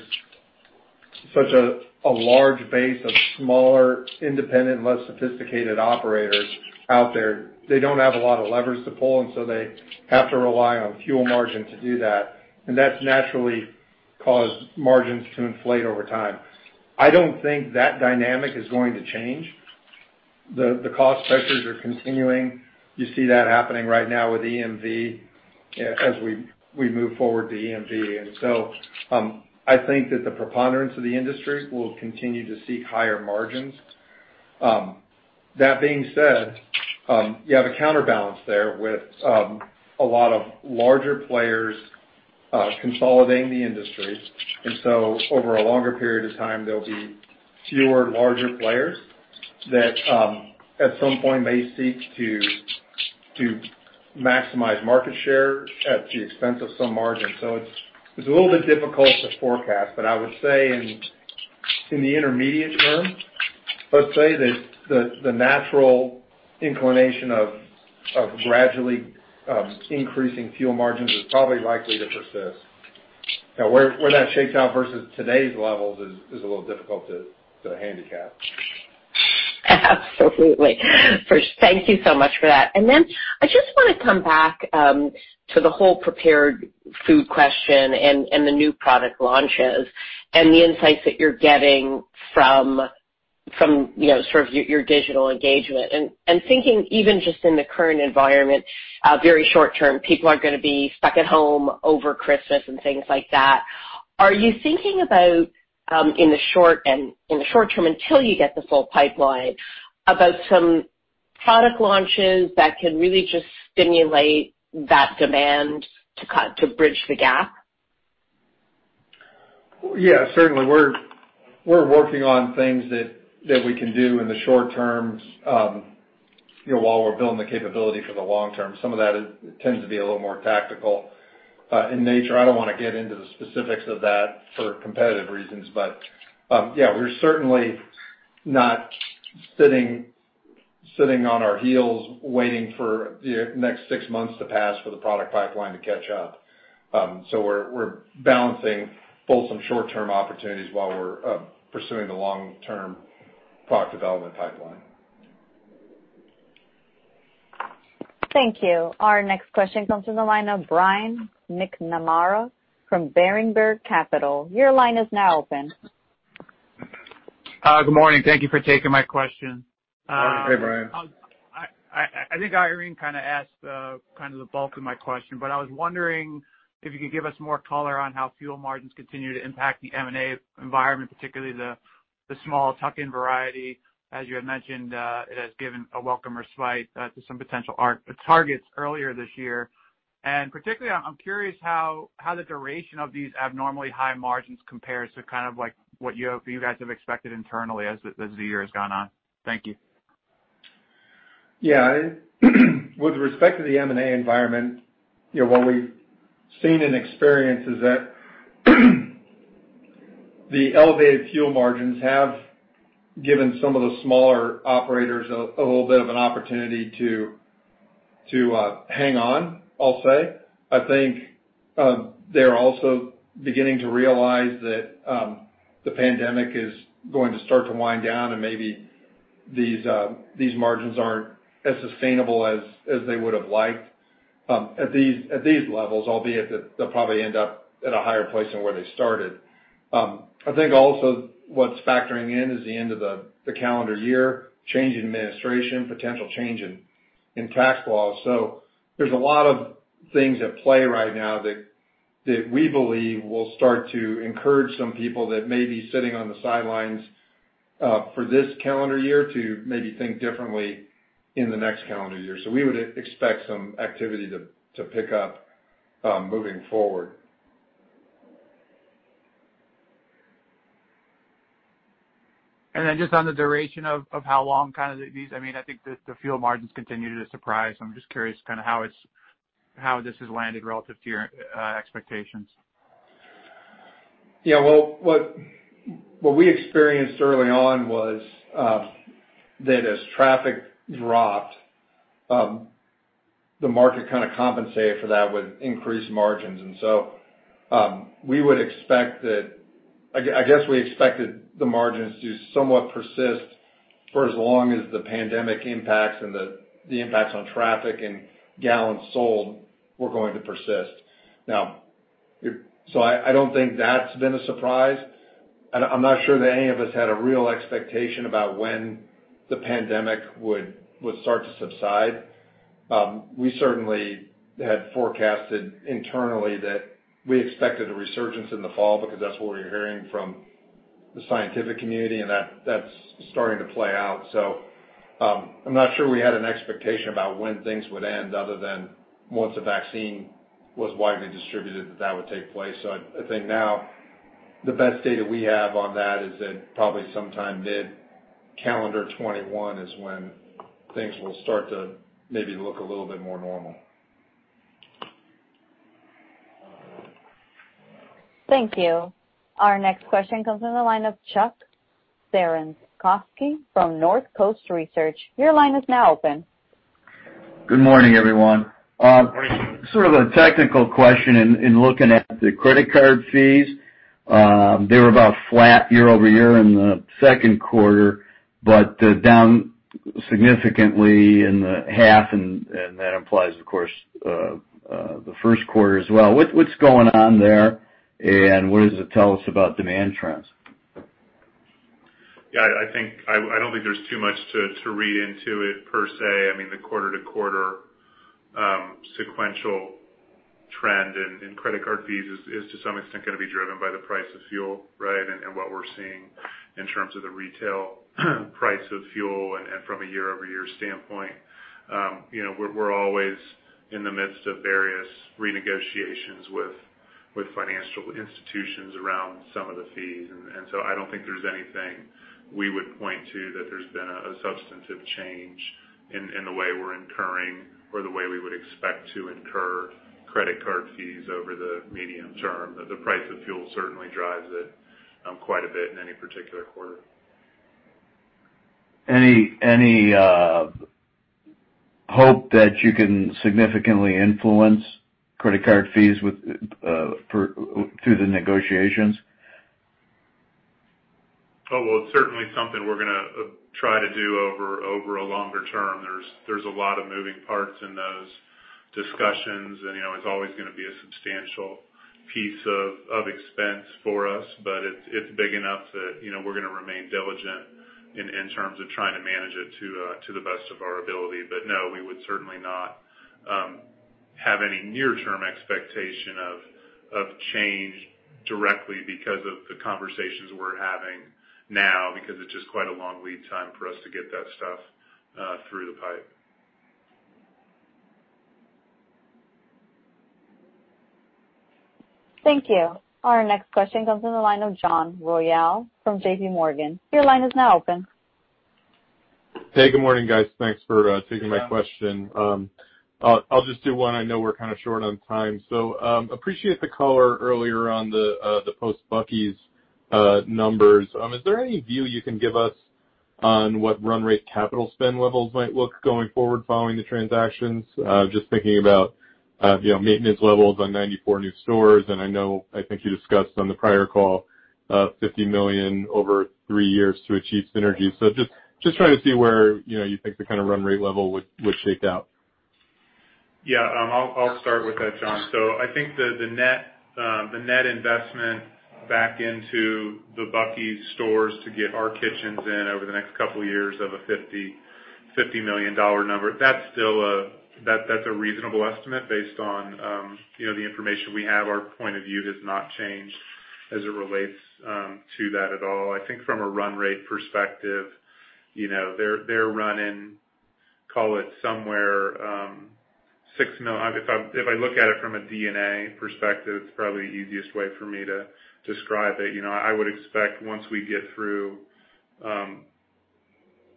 such a large base of smaller, independent, less sophisticated operators out there. They do not have a lot of levers to pull, and so they have to rely on fuel margin to do that. That has naturally caused margins to inflate over time. I do not think that dynamic is going to change. The cost pressures are continuing. You see that happening right now with EMV as we move forward to EMV. I think that the preponderance of the industry will continue to seek higher margins. That being said, you have a counterbalance there with a lot of larger players consolidating the industry. Over a longer period of time, there will be fewer larger players that at some point may seek to maximize market share at the expense of some margin. It is a little bit difficult to forecast, but I would say in the intermediate term, let's say that the natural inclination of gradually increasing fuel margins is probably likely to persist. Now, where that shakes out versus today's levels is a little difficult to handicap. Absolutely. Thank you so much for that. I just want to come back to the whole prepared food question and the new product launches and the insights that you're getting from sort of your digital engagement. Thinking even just in the current environment, very short term, people are going to be stuck at home over Christmas and things like that. Are you thinking about in the short term until you get the full pipeline about some product launches that can really just stimulate that demand to bridge the gap? Yeah, certainly. We're working on things that we can do in the short term while we're building the capability for the long term. Some of that tends to be a little more tactical in nature. I don't want to get into the specifics of that for competitive reasons. Yeah, we're certainly not sitting on our heels waiting for the next six months to pass for the product pipeline to catch up. We're balancing both some short-term opportunities while we're pursuing the long-term product development pipeline. Thank you. Our next question comes from the line of Brian McNamara from Berenberg Capital. Your line is now open. Good morning. Thank you for taking my question. Hey, Brian. I think Irene kind of asked kind of the bulk of my question, but I was wondering if you could give us more color on how fuel margins continue to impact the M&A environment, particularly the small tuck-in variety. As you had mentioned, it has given a welcome respite to some potential targets earlier this year. Particularly, I'm curious how the duration of these abnormally high margins compares to kind of what you guys have expected internally as the year has gone on. Thank you. Yeah. With respect to the M&A environment, what we've seen and experienced is that the elevated fuel margins have given some of the smaller operators a little bit of an opportunity to hang on, I'll say. I think they're also beginning to realize that the pandemic is going to start to wind down and maybe these margins aren't as sustainable as they would have liked at these levels, albeit they'll probably end up at a higher place than where they started. I think also what's factoring in is the end of the calendar year, changing administration, potential change in tax laws. There are a lot of things at play right now that we believe will start to encourage some people that may be sitting on the sidelines for this calendar year to maybe think differently in the next calendar year. We would expect some activity to pick up moving forward. Just on the duration of how long kind of these, I mean, I think the fuel margins continue to surprise. I'm just curious kind of how this has landed relative to your expectations. Yeah. What we experienced early on was that as traffic dropped, the market kind of compensated for that with increased margins. We would expect that, I guess we expected the margins to somewhat persist for as long as the pandemic impacts and the impacts on traffic and gallons sold were going to persist. Now, I do not think that has been a surprise. I am not sure that any of us had a real expectation about when the pandemic would start to subside. We certainly had forecasted internally that we expected a resurgence in the fall because that is what we were hearing from the scientific community, and that is starting to play out. I am not sure we had an expectation about when things would end other than once the vaccine was widely distributed that that would take place. I think now the best data we have on that is that probably sometime mid-calendar 2021 is when things will start to maybe look a little bit more normal. Thank you. Our next question comes from the line of Chuck Cerankosky from Northcoast Research. Your line is now open. Good morning, everyone. Sort of a technical question in looking at the credit card fees. They were about flat year-over-year in the second quarter, but down significantly in the half, and that implies, of course, the first quarter as well. What's going on there, and what does it tell us about demand trends? Yeah. I don't think there's too much to read into it per se. I mean, the quarter-to-quarter sequential trend in credit card fees is, to some extent, going to be driven by the price of fuel, right, and what we're seeing in terms of the retail price of fuel and from a year-over-year standpoint. We're always in the midst of various renegotiations with financial institutions around some of the fees. I don't think there's anything we would point to that there's been a substantive change in the way we're incurring or the way we would expect to incur credit card fees over the medium term. The price of fuel certainly drives it quite a bit in any particular quarter. Any hope that you can significantly influence credit card fees through the negotiations? Oh, well, it's certainly something we're going to try to do over a longer term. There's a lot of moving parts in those discussions, and it's always going to be a substantial piece of expense for us, but it's big enough that we're going to remain diligent in terms of trying to manage it to the best of our ability. No, we would certainly not have any near-term expectation of change directly because of the conversations we're having now because it's just quite a long lead time for us to get that stuff through the pipe. Thank you. Our next question comes from the line of John Royall from JPMorgan. Your line is now open. Hey, good morning, guys. Thanks for taking my question. I'll just do one. I know we're kind of short on time. Appreciate the color earlier on the post-Bucky's numbers. Is there any view you can give us on what run rate capital spend levels might look like going forward following the transactions? Just thinking about maintenance levels on 94 new stores, and I think you discussed on the prior call $50 million over three years to achieve synergy. Just trying to see where you think the kind of run rate level would shake out. Yeah. I'll start with that, John. I think the net investment back into the Bucky's stores to get our kitchens in over the next couple of years of a $50 million number, that's a reasonable estimate based on the information we have. Our point of view has not changed as it relates to that at all. I think from a run rate perspective, they're running, call it somewhere if I look at it from a DNA perspective, it's probably the easiest way for me to describe it. I would expect once we get through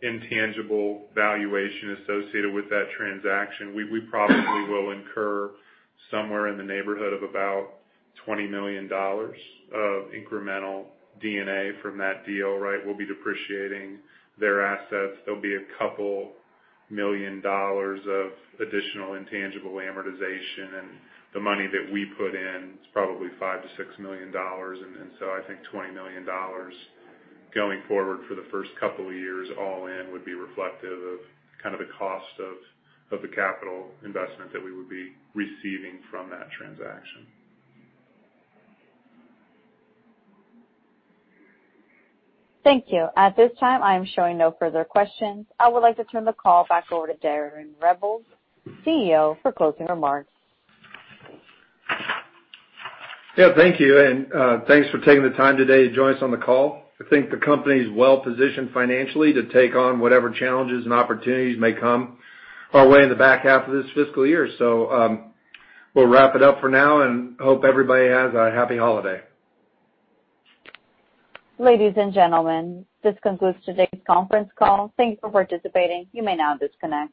intangible valuation associated with that transaction, we probably will incur somewhere in the neighborhood of about $20 million of incremental DNA from that deal, right? We'll be depreciating their assets. There will be a couple million dollars of additional intangible amortization, and the money that we put in is probably $5 million-$6 million. I think $20 million going forward for the first couple of years all in would be reflective of kind of the cost of the capital investment that we would be receiving from that transaction. Thank you. At this time, I am showing no further questions. I would like to turn the call back over to Darren Rebelez, CEO, for closing remarks. Thank you. And thanks for taking the time today to join us on the call. I think the company is well-positioned financially to take on whatever challenges and opportunities may come our way in the back half of this fiscal year. We'll wrap it up for now and hope everybody has a happy holiday. Ladies and gentlemen, this concludes today's conference call. Thank you for participating. You may now disconnect.